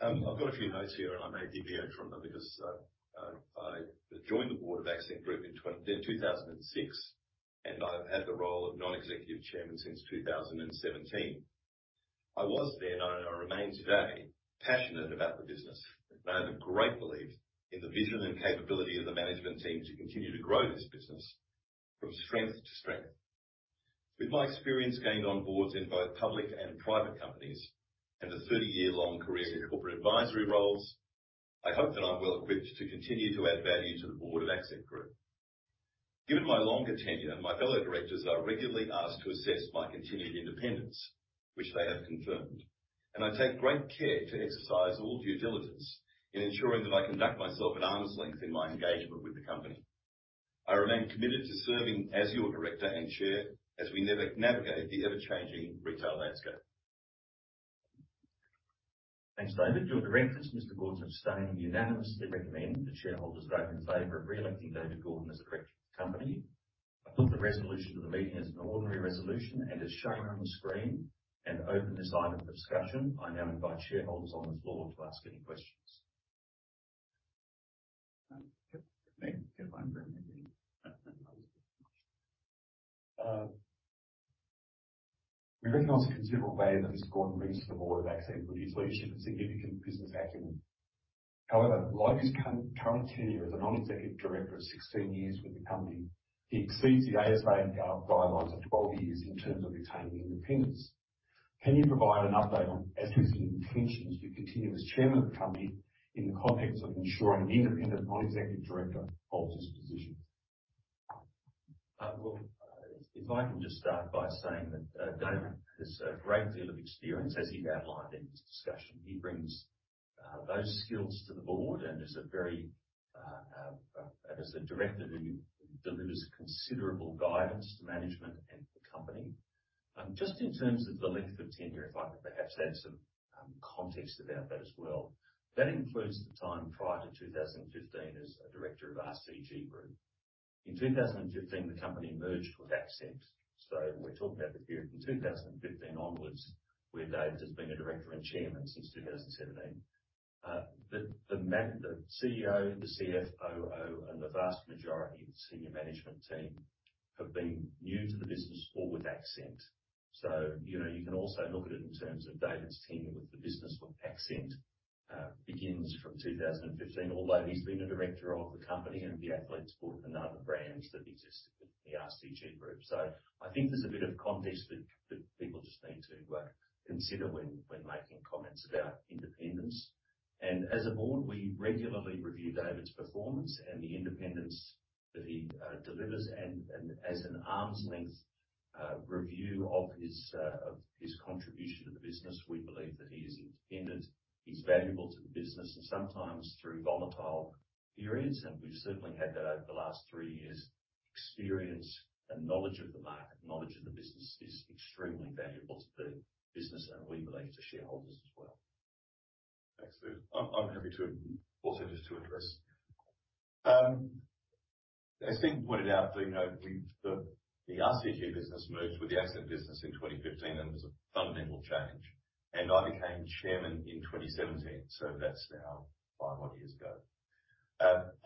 I've got a few notes here, and I may deviate from them because I joined the Board of Accent Group in 2006, and I've had the role of Non-Executive Chairman since 2017. I was then, and I remain today, passionate about the business, and I have a great belief in the vision and capability of the management team to continue to grow this business from strength to strength. With my experience gained on boards in both public and private companies, and a 30-year-long career in corporate advisory roles, I hope that I'm well equipped to continue to add value to the Board of Accent Group. Given my longer tenure, my fellow directors are regularly asked to assess my continued independence, which they have confirmed, and I take great care to exercise all due diligence in ensuring that I conduct myself at arm's length in my engagement with the company. I remain committed to serving as your director and chair as we navigate the ever-changing retail landscape. Thanks, David. Your directors, Mr. Gordon, have stated unanimously recommend the shareholders vote in favor of re-electing David Gordon as a director of the company. I put the resolution to the meeting as an ordinary resolution and is showing on the screen, and open this item for discussion. I now invite shareholders on the floor to ask any questions. Thank you for reminding me. We recognize the considerable value that Mr. Gordon brings to the board of Accent with his leadership and significant business acumen. However, despite his current tenure as a non-executive director of 16 years with the company, he exceeds the ASA guidelines of 12 years in terms of retaining independence. Can you provide an update on David's intentions to continue as chairman of the company in the context of ensuring an independent non-executive director holds this position? Well, if I can just start by saying that, David has a great deal of experience, as he outlined in his discussion. He brings those skills to the board and is a very as a director who delivers considerable guidance to management and the company. Just in terms of the length of tenure, if I could perhaps add some context about that as well. That includes the time prior to 2015 as a director of RCG Group. In 2015, the company merged with Accent. We're talking about the period from 2015 onwards, where David has been a director and chairman since 2017. The CEO, the CFO, and the vast majority of senior management team have been new to the business or with Accent. You know, you can also look at it in terms of David's tenure with the business of Accent begins from 2015. Although he's been a director of the company and The Athlete's Foot board and other brands that existed with the RCG Group. I think there's a bit of context that people just need to consider when making comments about independence. As a board, we regularly review David's performance and the independence that he delivers and as an arm's length review of his contribution to the business, we believe that he is independent, he's valuable to the business and sometimes through volatile periods, and we've certainly had that over the last three years. Experience and knowledge of the market, knowledge of the business is extremely valuable to the business, and we believe to shareholders as well. Thanks, Stephen. I'm happy to also just to address. As Stephen pointed out, you know, the RCG business merged with the Accent business in 2015, and it was a fundamental change, and I became chairman in 2017, so that's now five odd years ago.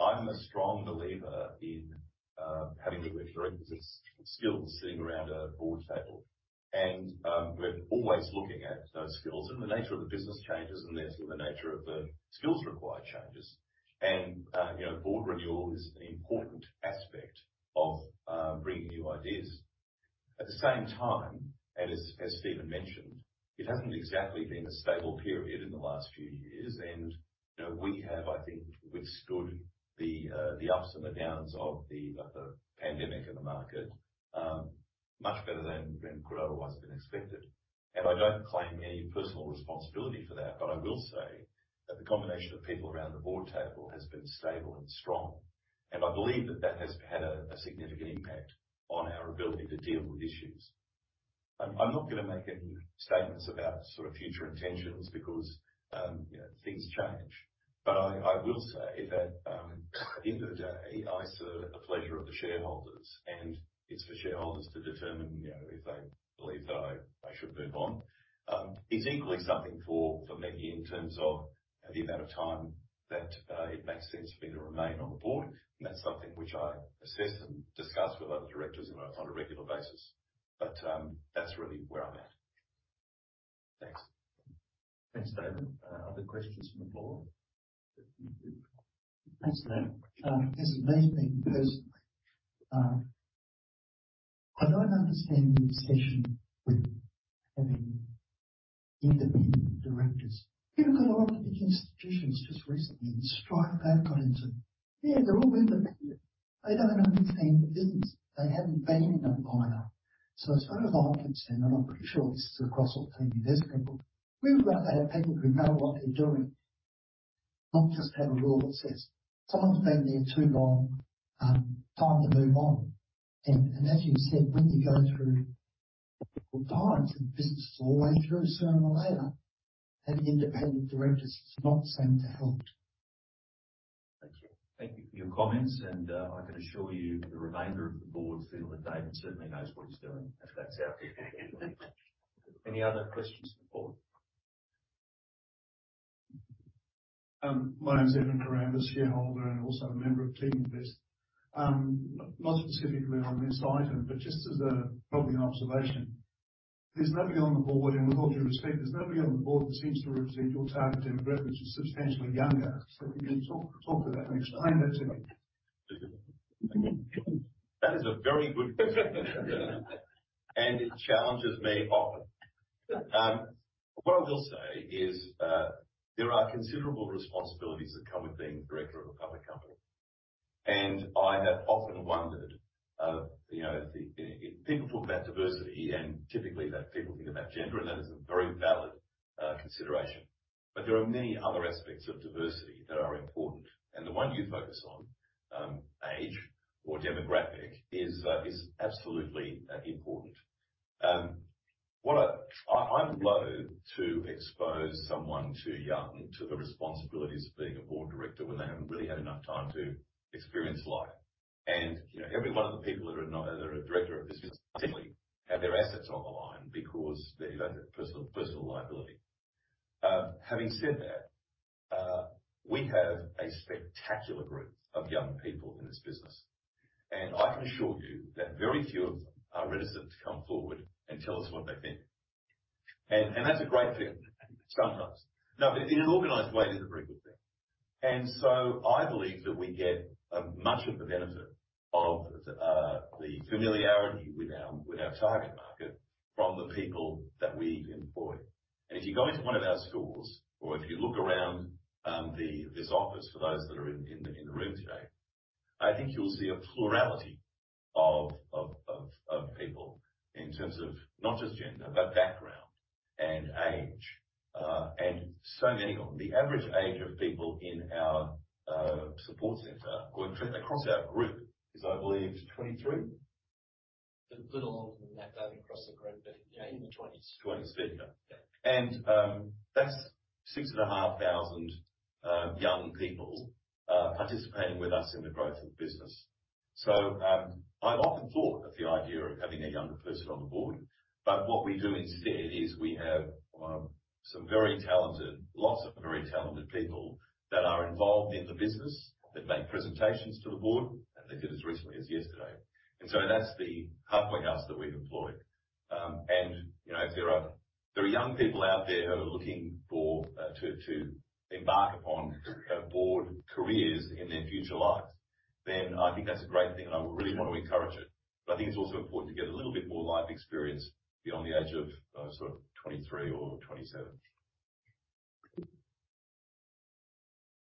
I'm a strong believer in having a mix of directors with skills sitting around a board table. We're always looking at those skills and the nature of the business changes, and therefore, the nature of the skills required changes. Board renewal is an important aspect of bringing new ideas. At the same time, as Stephen mentioned, it hasn't exactly been a stable period in the last few years. You know, we have, I think, withstood the ups and the downs of the pandemic and the market much better than could otherwise been expected. I don't claim any personal responsibility for that, but I will say that the combination of people around the board table has been stable and strong, and I believe that has had a significant impact on our ability to deal with issues. I'm not gonna make any statements about sort of future intentions because, you know, things change. I will say that, at the end of the day, I serve at the pleasure of the shareholders, and it's for shareholders to determine, you know, if they believe that I should move on. It's equally something for me in terms of the amount of time that it makes sense for me to remain on the board. That's something which I assess and discuss with other directors on a regular basis. That's really where I'm at. Thanks. Thanks, David. Other questions from the floor? Thanks, David. This is amazing because I don't understand your discussion with having independent directors. Even got a lot of the big institutions just recently in strife they've got into. Yeah, they're all independent. They don't understand the business. They haven't been in them either. As far as I understand, and I'm pretty sure this is across all AGM, there's a couple. We would rather have people who know what they're doing, not just have a rule that says, "Someone's been there too long, time to move on." As you said, when you go through times and business all the way through, sooner or later, having independent directors is not going to help. Thank you for your comments. I can assure you the remainder of the board feel that David certainly knows what he's doing, if that's out there. Any other questions for the board? My name is Evan Karambas, shareholder, and also a member of Clean Invest. Not specifically on this item, but just as a probably an observation. There's nobody on the board, and with all due respect, there's nobody on the board that seems to represent your target demographic, which is substantially younger. If you can talk to that and explain that to me. That is a very good question. It challenges me often. What I will say is, there are considerable responsibilities that come with being director of a public company. I have often wondered, you know, people talk about diversity and typically that people think about gender, and that is a very valid consideration. There are many other aspects of diversity that are important. The one you focus on, age or demographic is absolutely important. I'm loathe to expose someone too young to the responsibilities of being a board director when they haven't really had enough time to experience life. You know, every one of the people that are a director of this business particularly have their assets on the line because they don't have personal liability. Having said that, we have a spectacular group of young people in this business, and I can assure you that very few of them are reticent to come forward and tell us what they think. That's a great thing sometimes. No, in an organized way it is a very good thing. I believe that we get much of the benefit of the familiarity with our target market from the people that we employ. If you go into one of our stores or if you look around this office for those that are in the room today, I think you'll see a plurality of people in terms of not just gender, but background and age. Many of them. The average age of people in our support center or across our group is, I believe, 23. A little older than that, I think, across the group. Yeah, in the twenties. 20s. Yeah. Yeah. That's 6,500 young people participating with us in the growth of the business. I've often thought of the idea of having a younger person on the board, but what we do instead is we have some very talented, lots of very talented people that are involved in the business. They've made presentations to the board, and they did as recently as yesterday. That's the halfway house that we've employed. You know, if there are young people out there who are looking for to embark upon board careers in their future lives, then I think that's a great thing and I really want to encourage it. I think it's also important to get a little bit more life experience beyond the age of sort of 23 or 27.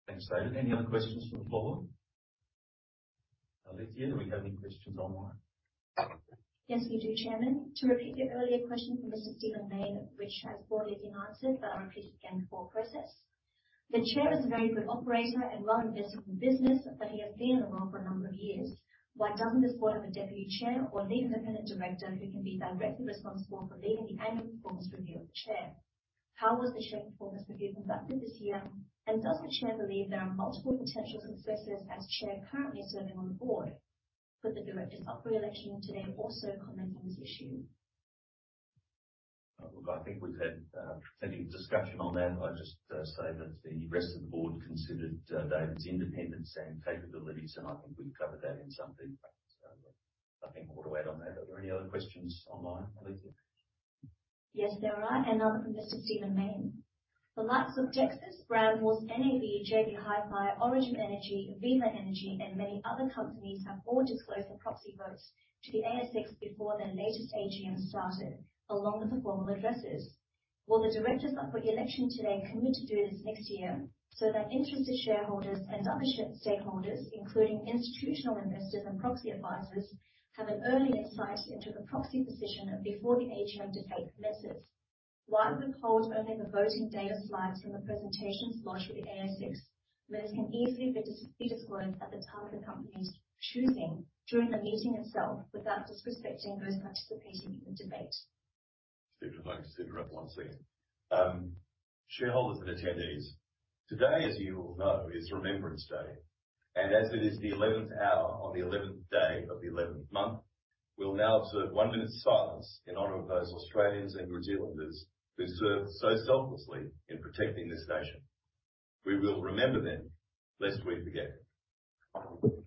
Thanks, David. Any other questions from the floor? Alethea, do we have any questions online? Yes, we do, Chairman. To repeat your earlier question from Mr. Stephen Mayne, which has already been answered, but I'll repeat it again for process. The chair is a very good operator and well invested in the business, but he has been in the role for a number of years. Why doesn't this board have a deputy chair or lead independent director who can be directly responsible for leading the annual performance review of the chair? How was the chair's performance review conducted this year? And does the chair believe there are multiple potential successors as chair currently serving on the board? Could the directors up for election today also comment on this issue? Look, I think we've had plenty of discussion on that. I'll just say that the rest of the Board considered David's independence and capabilities, and I think we've covered that in some detail. Nothing more to add on that. Are there any other questions online, Alethea? Yes, there are. Another from Mr. Stephen Mayne. The likes of Telstra, Brambles, NAB, JB Hi-Fi, Origin Energy, Viva Energy, and many other companies have all disclosed their proxy votes to the ASX before their latest AGM started, along with the formal addresses. Will the directors up for election today commit to do this next year so that interested shareholders and other stakeholders, including institutional investors and proxy advisors, have an early insight into the proxy position before the AGM debate commences? Why wouldn't polls open the voting day or slides from the presentations lodged with the ASX when it can easily be disclosed at the time of the company's choosing during the meeting itself, without disrespecting those participating in the debate? Stephen, if I could just interrupt one second. Shareholders and attendees, today, as you all know, is Remembrance Day. As it is the eleventh hour on the eleventh day of the eleventh month, we'll now observe one minute's silence in honor of those Australians and New Zealanders who served so selflessly in protecting this nation. We will remember them, lest we forget.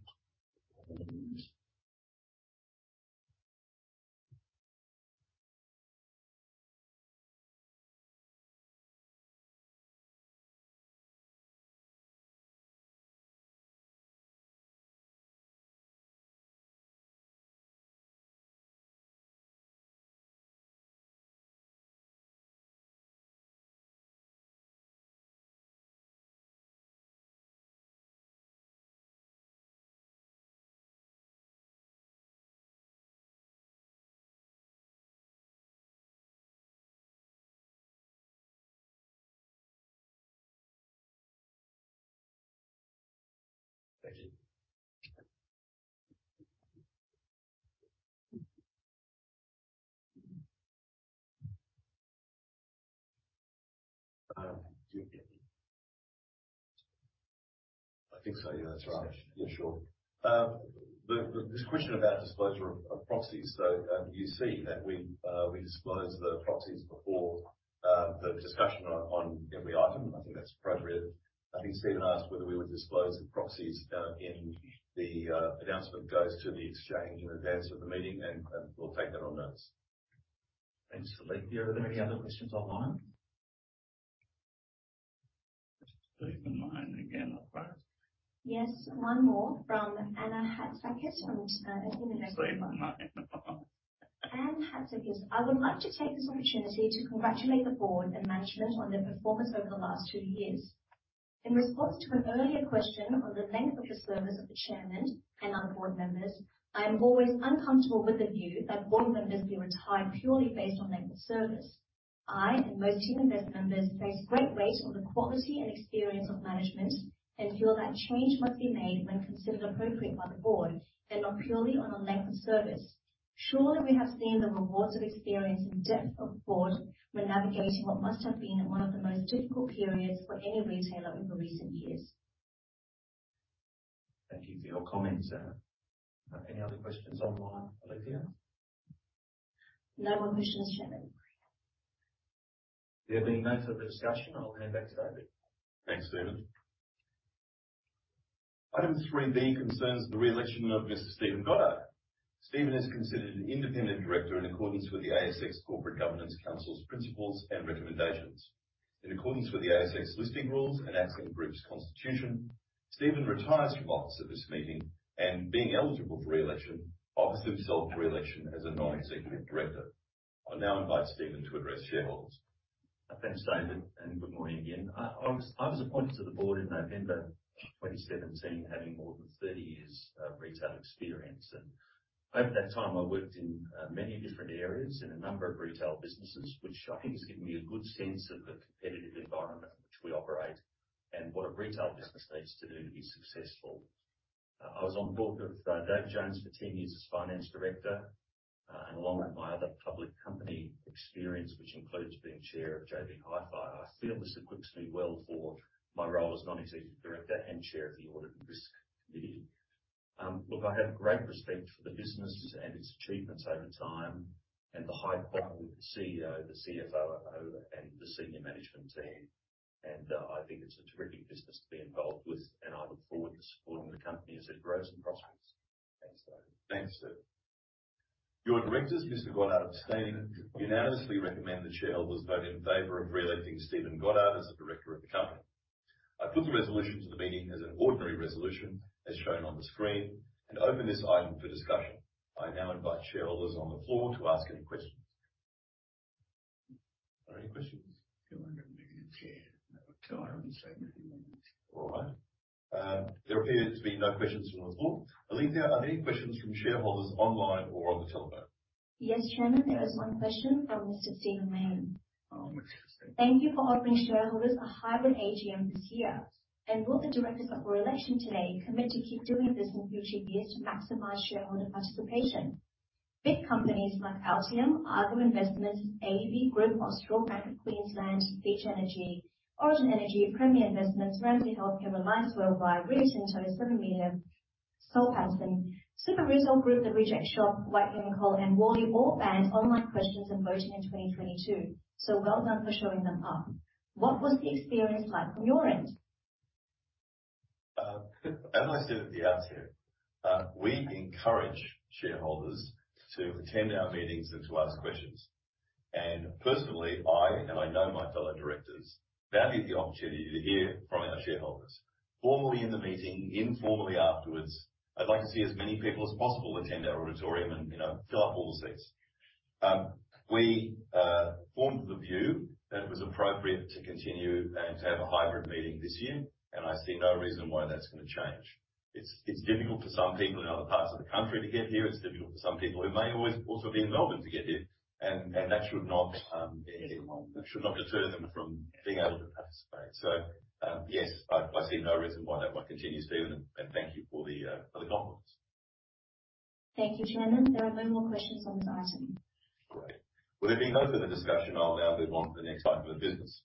I think so. Yeah, that's right. Yeah, sure. This question about disclosure of proxies. You see that we disclose the proxies before the discussion on every item. I think that's appropriate. I think Stephen asked whether we would disclose the proxies in the announcement goes to the exchange in advance of the meeting, and we'll take that on notice. Thanks, Philippe. Are there any other questions online? Stephen Mayne again, online. Yes. One more from Anne Hatzakis, and a TeamInvest. Stephen Mayne. Anne Hatzakis. I would like to take this opportunity to congratulate the board and management on their performance over the last two years. In response to an earlier question on the length of the service of the chairman and other board members, I am always uncomfortable with the view that board members be retired purely based on length of service. I, and most Teaminvest members, place great weight on the quality and experience of management and feel that change must be made when considered appropriate by the board and not purely on the length of service. Surely we have seen the rewards of experience and depth of board when navigating what must have been one of the most difficult periods for any retailer in recent years. Thank you for your comments, Anne. Any other questions online, Alethea? No more questions, Chairman. There being none for the discussion, I'll hand back to David. Thanks, Stephen. Item three B concerns the re-election of Mr. Stephen Goddard. Stephen is considered an independent director in accordance with the ASX Corporate Governance Principles and Recommendations. In accordance with the ASX Listing Rules and Accent Group's constitution, Stephen retires from office at this meeting and being eligible for re-election, offers himself for re-election as a non-executive director. I now invite Stephen to address shareholders. Thanks, David, and good morning again. I was appointed to the board in November 2017, having more than 30 years of retail experience. Over that time, I worked in many different areas in a number of retail businesses, which I think has given me a good sense of the competitive environment in which we operate and what a retail business needs to do to be successful. I was on the board with David Jones for 10 years as finance director. Along with my other public company experience, which includes being chair of JB Hi-Fi, I feel this equips me well for my role as non-executive director and chair of the Audit and Risk Committee. Look, I have great respect for the business and its achievements over time and the high quality of the CEO, the CFO, and the senior management team. I think it's a terrific business to be involved with, and I look forward to supporting the company as it grows and prospers. Thanks, David. Thanks, Stephen. Your directors, Mr. Goddard, abstaining, unanimously recommend that shareholders vote in favor of re-electing Stephen Goddard as a director of the company. I put the resolution to the meeting as an ordinary resolution as shown on the screen, and open this item for discussion. I now invite shareholders on the floor to ask any questions. Are there any questions? 200 million share. 270 million. All right. There appears to be no questions from the floor. Alethea, are there any questions from shareholders online or on the telephone? Yes, Chairman. There is one question from Mr. Stephen Mayne. Oh, fantastic. Thank you for offering shareholders a Hybrid AGM this year. Will the directors up for election today commit to keep doing this in future years to maximize shareholder participation? Big companies like Altium, Argo Investments, AVZ Minerals, Australand, Queensland, Beach Energy, Origin Energy, Premier Investments, Ramsay Health Care, Reliance Worldwide, Retail Stores, Seven West Media, Washington H. Soul Pattinson, The Star Entertainment Group, The Reject Shop, Whitehaven Coal, and Worley all banned online questions and voting in 2022. Well done for showing them up. What was the experience like from your end? Is Stephen Mayne here? We encourage shareholders to attend our meetings and to ask questions. Personally, I know my fellow directors value the opportunity to hear from our shareholders formally in the meeting, informally afterwards. I'd like to see as many people as possible attend our auditorium and, you know, fill up all the seats. We formed the view that it was appropriate to continue and to have a hybrid meeting this year, and I see no reason why that's gonna change. It's difficult for some people in other parts of the country to get here. It's difficult for some people who may always also be in Melbourne to get here, and that should not deter them from being able to participate. Yes, I see no reason why that won't continue, Stephen, and thank you for the compliments. Thank you, Chairman. There are no more questions on this item. Great. Well, there being no further discussion, I'll now move on to the next item of business.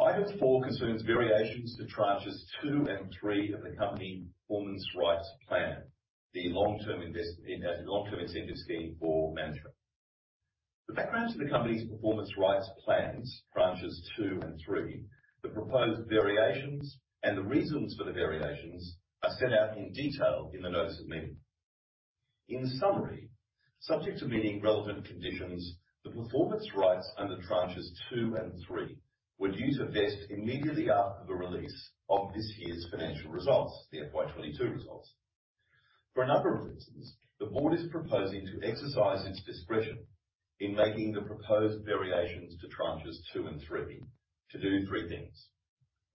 Item four concerns variations to tranches two and three of the company Performance Rights Plan, the long-term incentive scheme for management. The background to the Company's Performance Rights Plans, tranches two and three, the proposed variations and the reasons for the variations are set out in detail in the Notice of Meeting. In summary, subject to meeting relevant conditions, the performance rights under tranches two and three were due to vest immediately after the release of this year's financial results, the FY 2022 results. For a number of reasons, the board is proposing to exercise its discretion in making the proposed variations to tranches two and three to do three things.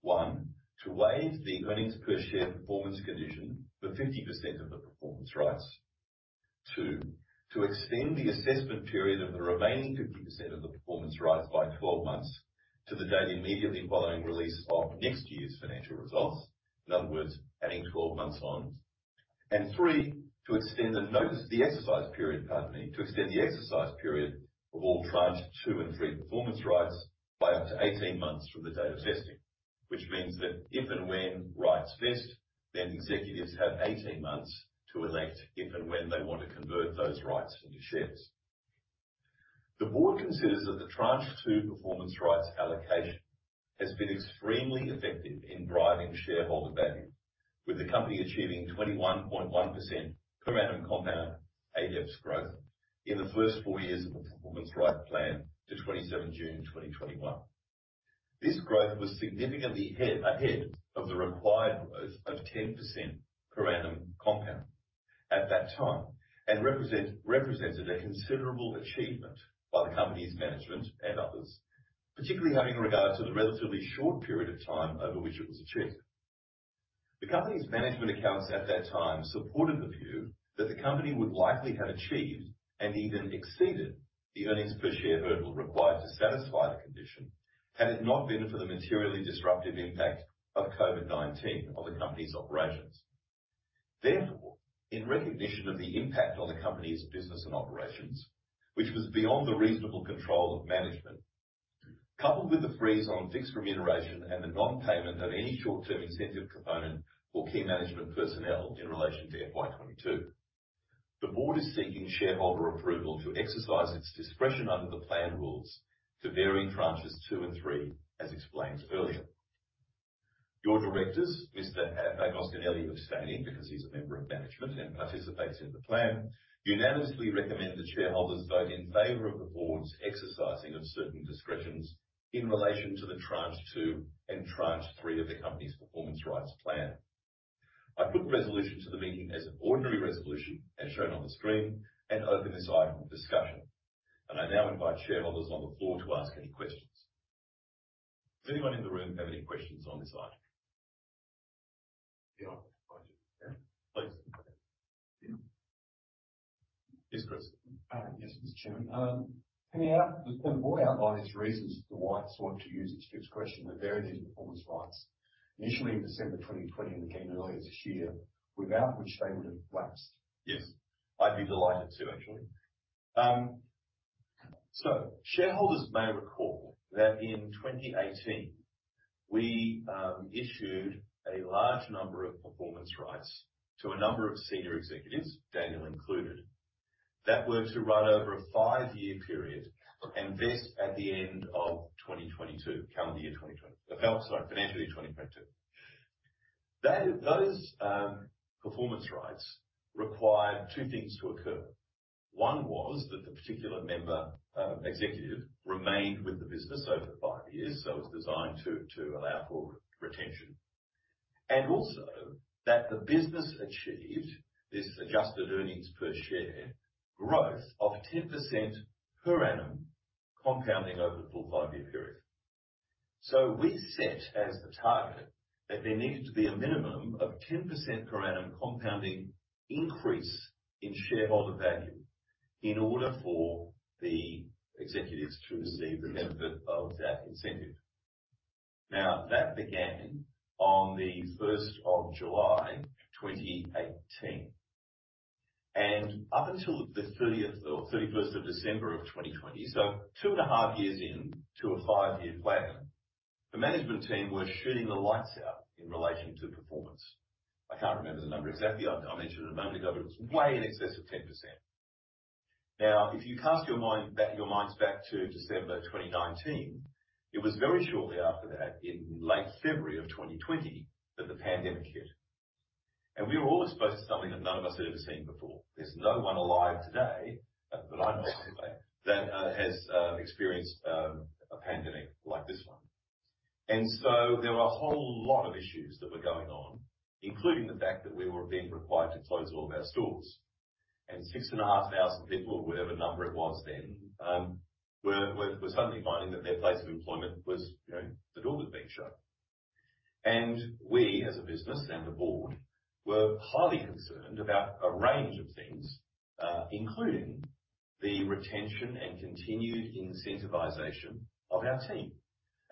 One, to waive the Earnings per Share performance condition for 50% of the performance rights. Two, to extend the assessment period of the remaining 50% of the performance rights by 12 months to the date immediately following release of next year's financial results. In other words, adding 12 months on. Three, to extend the exercise period of all tranche two and three performance rights by up to 18 months from the date of vesting. Which means that if and when rights vest, then executives have 18 months to elect if and when they want to convert those rights into shares. The board considers that the tranche two performance rights allocation has been extremely effective in driving shareholder value, with the company achieving 21.1% per annum compound adjusted EPS growth in the first four years of the Performance Rights Plan to 27 June 2021. This growth was significantly ahead of the required growth of 10% per annum compound at that time, and represented a considerable achievement by the company's management and others, particularly having regard to the relatively short period of time over which it was achieved. The company's management accounts at that time supported the view that the company would likely have achieved and even exceeded the Earnings per Share hurdle required to satisfy the condition had it not been for the materially disruptive impact of COVID-19 on the company's operations. Therefore, in recognition of the impact on the company's business and operations, which was beyond the reasonable control of management, coupled with the freeze on fixed remuneration and the non-payment of any short-term incentive component for key management personnel in relation to FY 2022, the board is seeking shareholder approval to exercise its discretion under the plan rules to vary tranches two and three, as explained earlier. Your directors, Mr. Agostinelli, abstaining because he's a member of management and participates in the plan, unanimously recommend that shareholders vote in favor of the board's exercising of certain discretions in relation to tranche two and tranche three of the company's Performance Rights Plan. I put the resolution to the meeting as an ordinary resolution as shown on the screen and open this item for discussion. I now invite shareholders on the floor to ask any questions. Does anyone in the room have any questions on this item? Yeah. I do. Please. Yes, Chris. Yes, Mr. Chairman. Can the board outline its reasons for why it sought to use its discretion to vary these performance rights initially in December 2020 and again earlier this year, without which they would have lapsed? Yes, I'd be delighted to actually. So shareholders may recall that in 2018 we issued a large number of performance rights to a number of senior executives, Daniel included. Those were to run over a 5-year period and vest at the end of 2022, financial year 2022. Those performance rights required two things to occur. One was that the particular executive remained with the business over 5 years, so it was designed to allow for retention. Also, that the business achieved this adjusted Earnings per Share growth of 10% per annum compounding over the full 5-year period. We set as the target that there needed to be a minimum of 10% per annum compounding increase in shareholder value in order for the executives to receive the benefit of that incentive. Now, that began on the first of July 2018, and up until the 30th or 31st of December 2020. Two and a half years into a 5-year plan, the management team were shooting the lights out in relation to performance. I can't remember the number exactly. I mentioned it a moment ago, but it's way in excess of 10%. Now, if you cast your mind back to December 2019, it was very shortly after that, in late February 2020, that the pandemic hit. We were all exposed to something that none of us had ever seen before. There's no one alive today that I know of anyway that has experienced a pandemic like this one. There were a whole lot of issues that were going on, including the fact that we were being required to close all of our stores. 6,500 people or whatever number it was then were suddenly finding that their place of employment was, you know, the door had been shut. We, as a business and a board, were highly concerned about a range of things, including the retention and continued incentivization of our team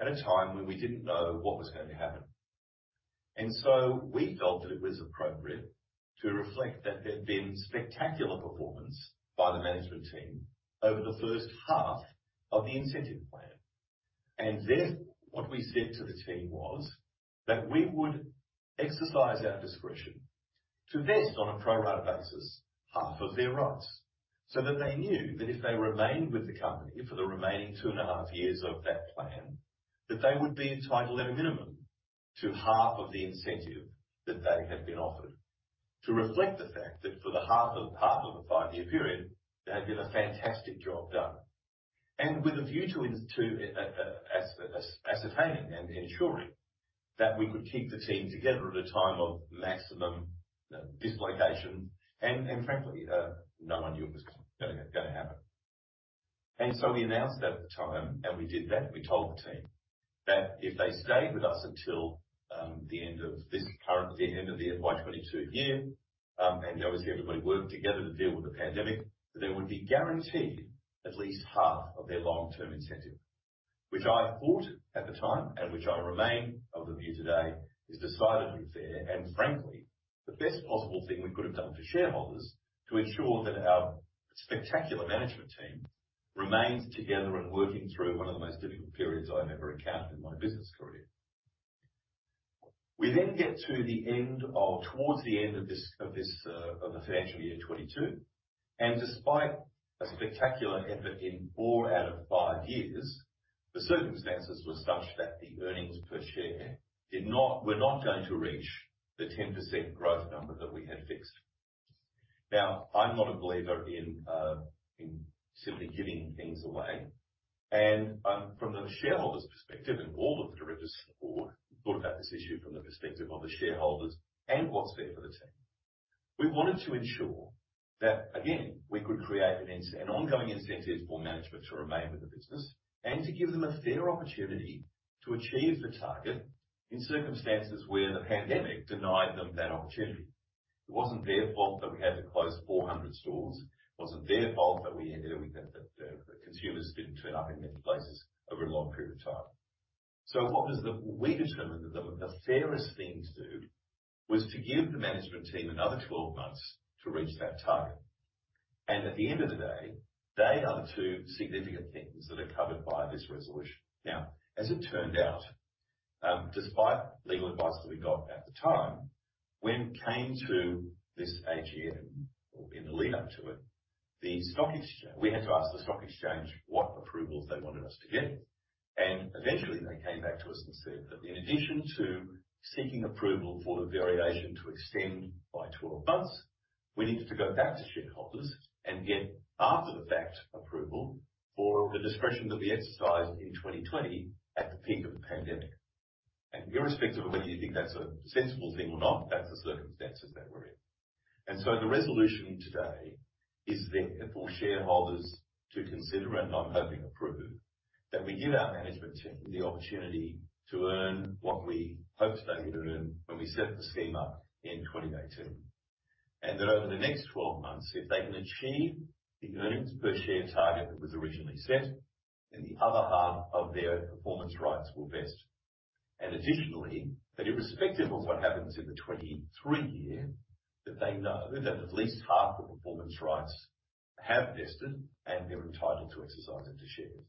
at a time when we didn't know what was going to happen. We felt that it was appropriate to reflect that there'd been spectacular performance by the management team over the first half of the incentive plan. What we said to the team was that we would exercise our discretion to vest on a pro-rata basis half of their rights. They knew that if they remained with the company for the remaining two and a half years of that plan, that they would be entitled at a minimum to half of the incentive that they had been offered. To reflect the fact that for half of the five-year period, they had done a fantastic job and with a view to ascertaining and ensuring that we could keep the team together at a time of maximum dislocation. Frankly, no one knew it was gonna happen. We announced that at the time, and we did that. We told the team that if they stayed with us until the end of the FY 2022 year, and obviously everybody worked together to deal with the pandemic, that they would be guaranteed at least half of their long-term incentive. Which I thought at the time, and which I remain of the view today, is decidedly fair and frankly, the best possible thing we could have done for shareholders to ensure that our spectacular management team remains together and working through one of the most difficult periods I've ever encountered in my business career. We then get towards the end of this financial year 2022, despite a spectacular effort in four out of five years, the circumstances were such that the Earnings per Share were not going to reach the 10% growth number that we had fixed. Now, I'm not a believer in simply giving things away. From the shareholders' perspective, all of the directors supported the thought about this issue from the perspective of the shareholders and what's fair for the team. We wanted to ensure that, again, we could create an ongoing incentive for management to remain with the business and to give them a fair opportunity to achieve the target in circumstances where the pandemic denied them that opportunity. It wasn't their fault that we had to close 400 stores. It wasn't their fault that we ended up with the consumers didn't turn up in many places over a long period of time. We determined that the fairest thing to do was to give the management team another 12 months to reach that target. At the end of the day, they are the two significant things that are covered by this resolution. Now, as it turned out, despite legal advice that we got at the time, when it came to this AGM, or in the lead up to it, the stock exchange. We had to ask the stock exchange what approvals they wanted us to get, and eventually they came back to us and said that in addition to seeking approval for the variation to extend by 12 months, we needed to go back to shareholders and get after the fact approval for the discretion that we exercised in 2020 at the peak of the pandemic. Irrespective of whether you think that's a sensible thing or not, that's the circumstances that we're in. The resolution today is there for shareholders to consider, and I'm hoping approve, that we give our management team the opportunity to earn what we hoped they'd earn when we set the scheme up in 2018. That over the next 12 months, if they can achieve the Earnings per Share target that was originally set, then the other half of their performance rights will vest. Additionally, that irrespective of what happens in the 2023 year, that they know that at least half the performance rights have vested and they're entitled to exercise them to shares.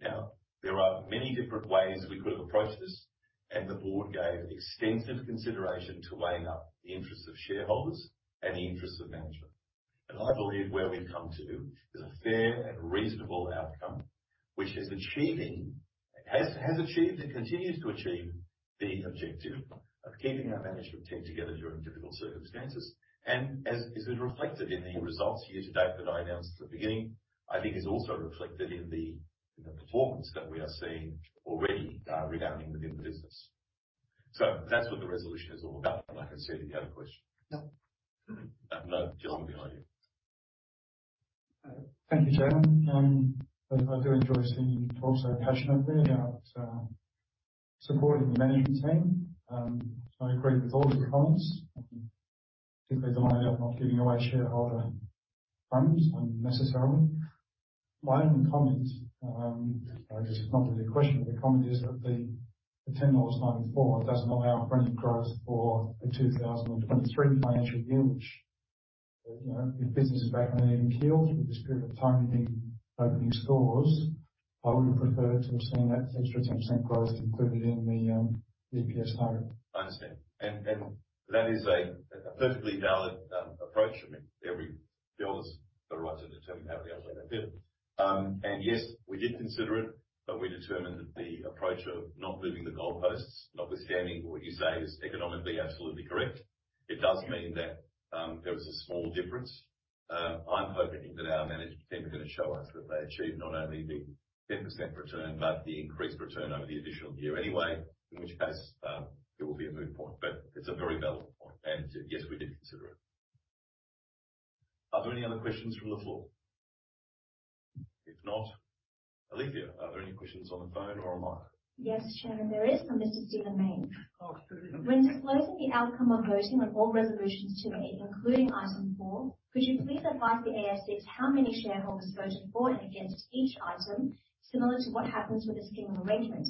Now, there are many different ways we could have approached this, and the board gave extensive consideration to weighing up the interests of shareholders and the interests of management. I believe where we've come to is a fair and reasonable outcome which is achieving. has achieved and continues to achieve the objective of keeping our management team together during difficult circumstances. As is reflected in the results here to date that I announced at the beginning, I think is also reflected in the performance that we are seeing already, rebounding within the business. That's what the resolution is all about. I can see that you had a question. No. No. John, behind you. Thank you, Chairman. I do enjoy seeing you talk so passionately about supporting the management team. I agree with all of your comments, particularly the one about not giving away shareholder funds, necessarily. My only comment, I guess it's not really a question, but the comment is that the 10.94 dollars doesn't allow for any growth for the 2023 financial year, which, you know, if business is back on an even keel with this period of time opening stores, I would have preferred to have seen that extra 10% growth included in the EPS note. I understand. That is a perfectly valid approach. I mean, every shareholder's got a right to determine how they allocate their dividend. Yes, we did consider it, but we determined that the approach of not moving the goalposts, notwithstanding what you say is economically absolutely correct. It does mean that there is a small difference. I'm hoping that our management team are gonna show us that they achieved not only the 10% return, but the increased return over the additional year anyway, in which case, it will be a moot point. It's a very valid point. Yes, we did consider it. Are there any other questions from the floor? If not, Alethea, are there any questions on the phone or on mic? Yes, Chairman, there is from Mr. Stephen Mayne. Oh, Stephen. When disclosing the outcome of voting on all resolutions today, including item four, could you please advise the ASX how many shareholders voted for and against each item, similar to what happens with a scheme of arrangement?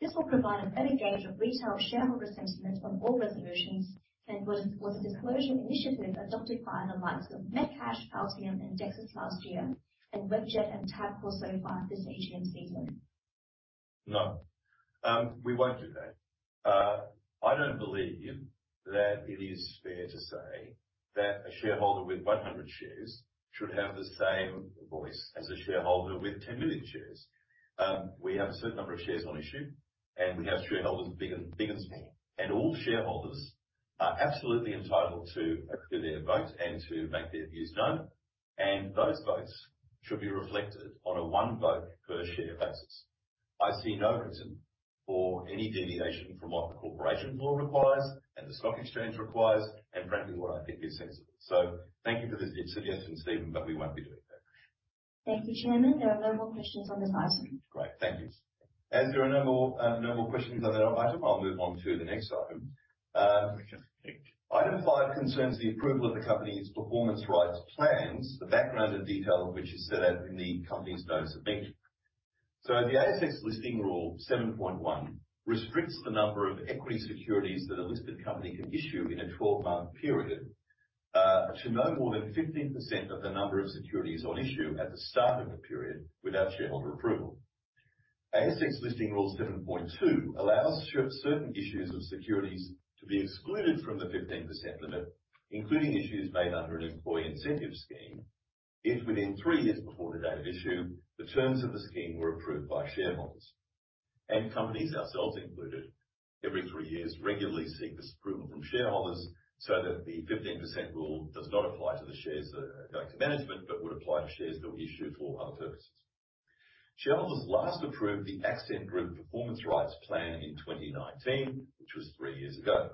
This will provide a better gauge of retail shareholder sentiment on all resolutions and was a disclosure initiative adopted by the likes of Metcash, Altium and Dexus last year, and Webjet and Tabcorp so far this AGM season. No. We won't do that. I don't believe that it is fair to say that a shareholder with 100 shares should have the same voice as a shareholder with 10 million shares. We have a certain number of shares on issue, and we have shareholders big and small, and all shareholders are absolutely entitled to do their votes and to make their views known, and those votes should be reflected on a one-vote-per-share-basis. I see no reason for any deviation from what the Corporations Law requires and the stock exchange requires, and frankly, what I think is sensible. Thank you for the suggestion, Stephen, but we won't be doing that. Thank you, Chairman. There are no more questions on the mic. Great. Thank you. As there are no more questions on that item, I'll move on to the next item. Item five concerns the approval of the Company's Performance Rights Plans, the background and detail of which is set out in the company's Notice of Meeting. The ASX Listing Rule 7.1 restricts the number of equity securities that a listed company can issue in a 12-month period to no more than 15% of the number of securities on issue at the start of the period without shareholder approval. ASX Listing Rule 7.2 allows certain issues of securities to be excluded from the 15% limit, including issues made under an employee incentive scheme, if within three years before the date of issue, the terms of the scheme were approved by shareholders. Companies, ourselves included, every three years regularly seek this approval from shareholders so that the 15% rule does not apply to the shares that are going to management, but would apply to shares that were issued for other purposes. Shareholders last approved the Accent Group Performance Rights Plan in 2019, which was three years ago.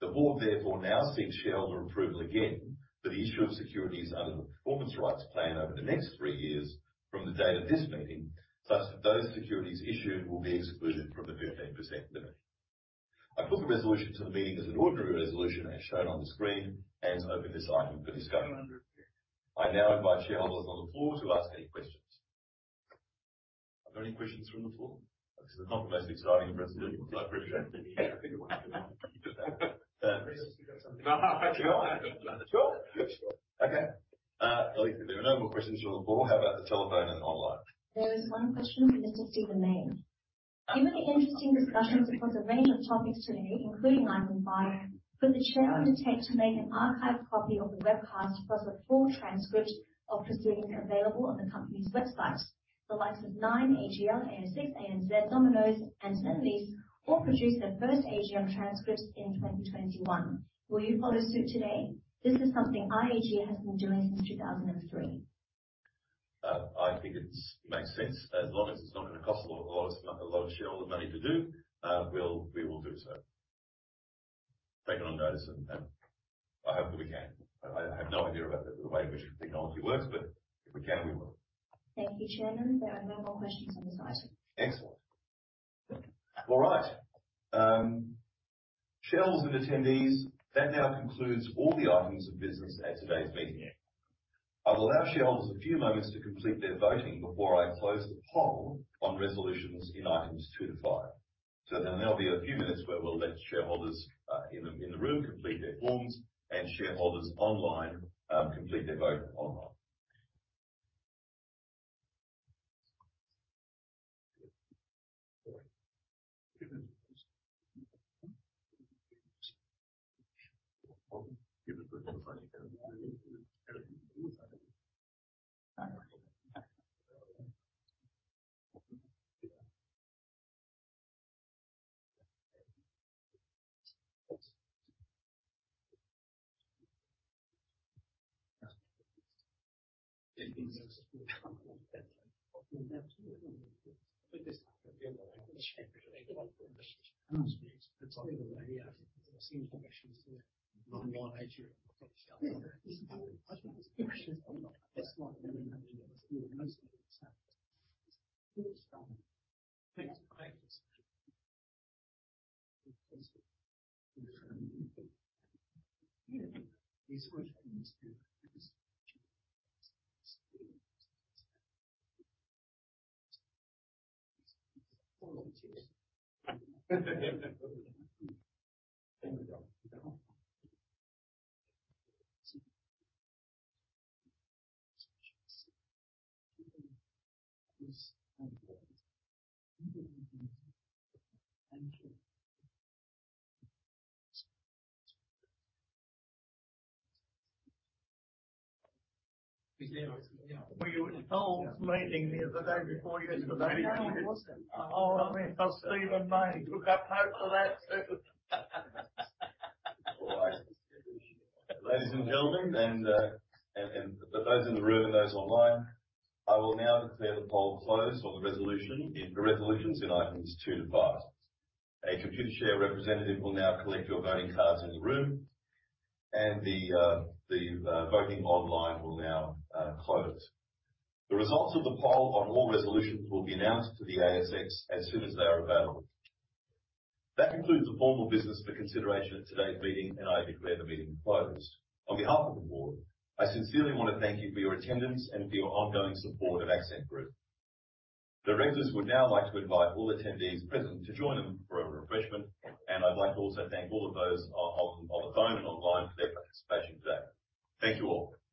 The board therefore now seeks shareholder approval again for the issue of securities under the Performance Rights Plan over the next three years from the date of this meeting, such that those securities issued will be excluded from the 15% limit. I put the resolution to the meeting as an ordinary resolution as shown on the screen and open this item for discussion. I now invite shareholders on the floor to ask any questions. Are there any questions from the floor? This is not the most exciting of resolutions. Sure. Okay. If there are no more questions from the floor, how about the telephone and online? There is one question from Mr. Stephen Mayne. Given the interesting discussions across a range of topics today, including item five, could the Chairman Undertake to make an archived copy of the webcast plus a full transcript of proceedings available on the company's website? The likes of Nine, AGL, ASX, ANZ, Domino's, and Cineworld all produced their first AGM transcripts in 2021. Will you follow suit today? This is something IAG has been doing since 2003. I think it makes sense. As long as it's not gonna cost a lot of shareholder money to do, we will do so. Take it on notice and I hope that we can. I have no idea about the way in which the technology works, but if we can, we will. Thank you, Chairman. There are no more questions on this item. Excellent. All right. Shareholders and attendees, that now concludes all the items of business at today's meeting. I will allow shareholders a few moments to complete their voting before I close the poll on resolutions in items two to five. There'll now be a few minutes where we'll let shareholders in the room complete their forms and shareholders online complete their vote online. All right. Ladies and gentlemen, and for those in the room and those online, I will now declare the poll closed on the resolutions in items two to five. A Computershare representative will now collect your voting cards in the room, and the voting online will now close. The results of the poll on all resolutions will be announced to the ASX as soon as they are available. That concludes the formal business for consideration at today's meeting, and I declare the meeting closed. On behalf of the board, I sincerely wanna thank you for your attendance and for your ongoing support of Accent Group. The directors would now like to invite all attendees present to join them for a refreshment, and I'd like to also thank all of those on the phone and online for their participation today. Thank you all. Thank you.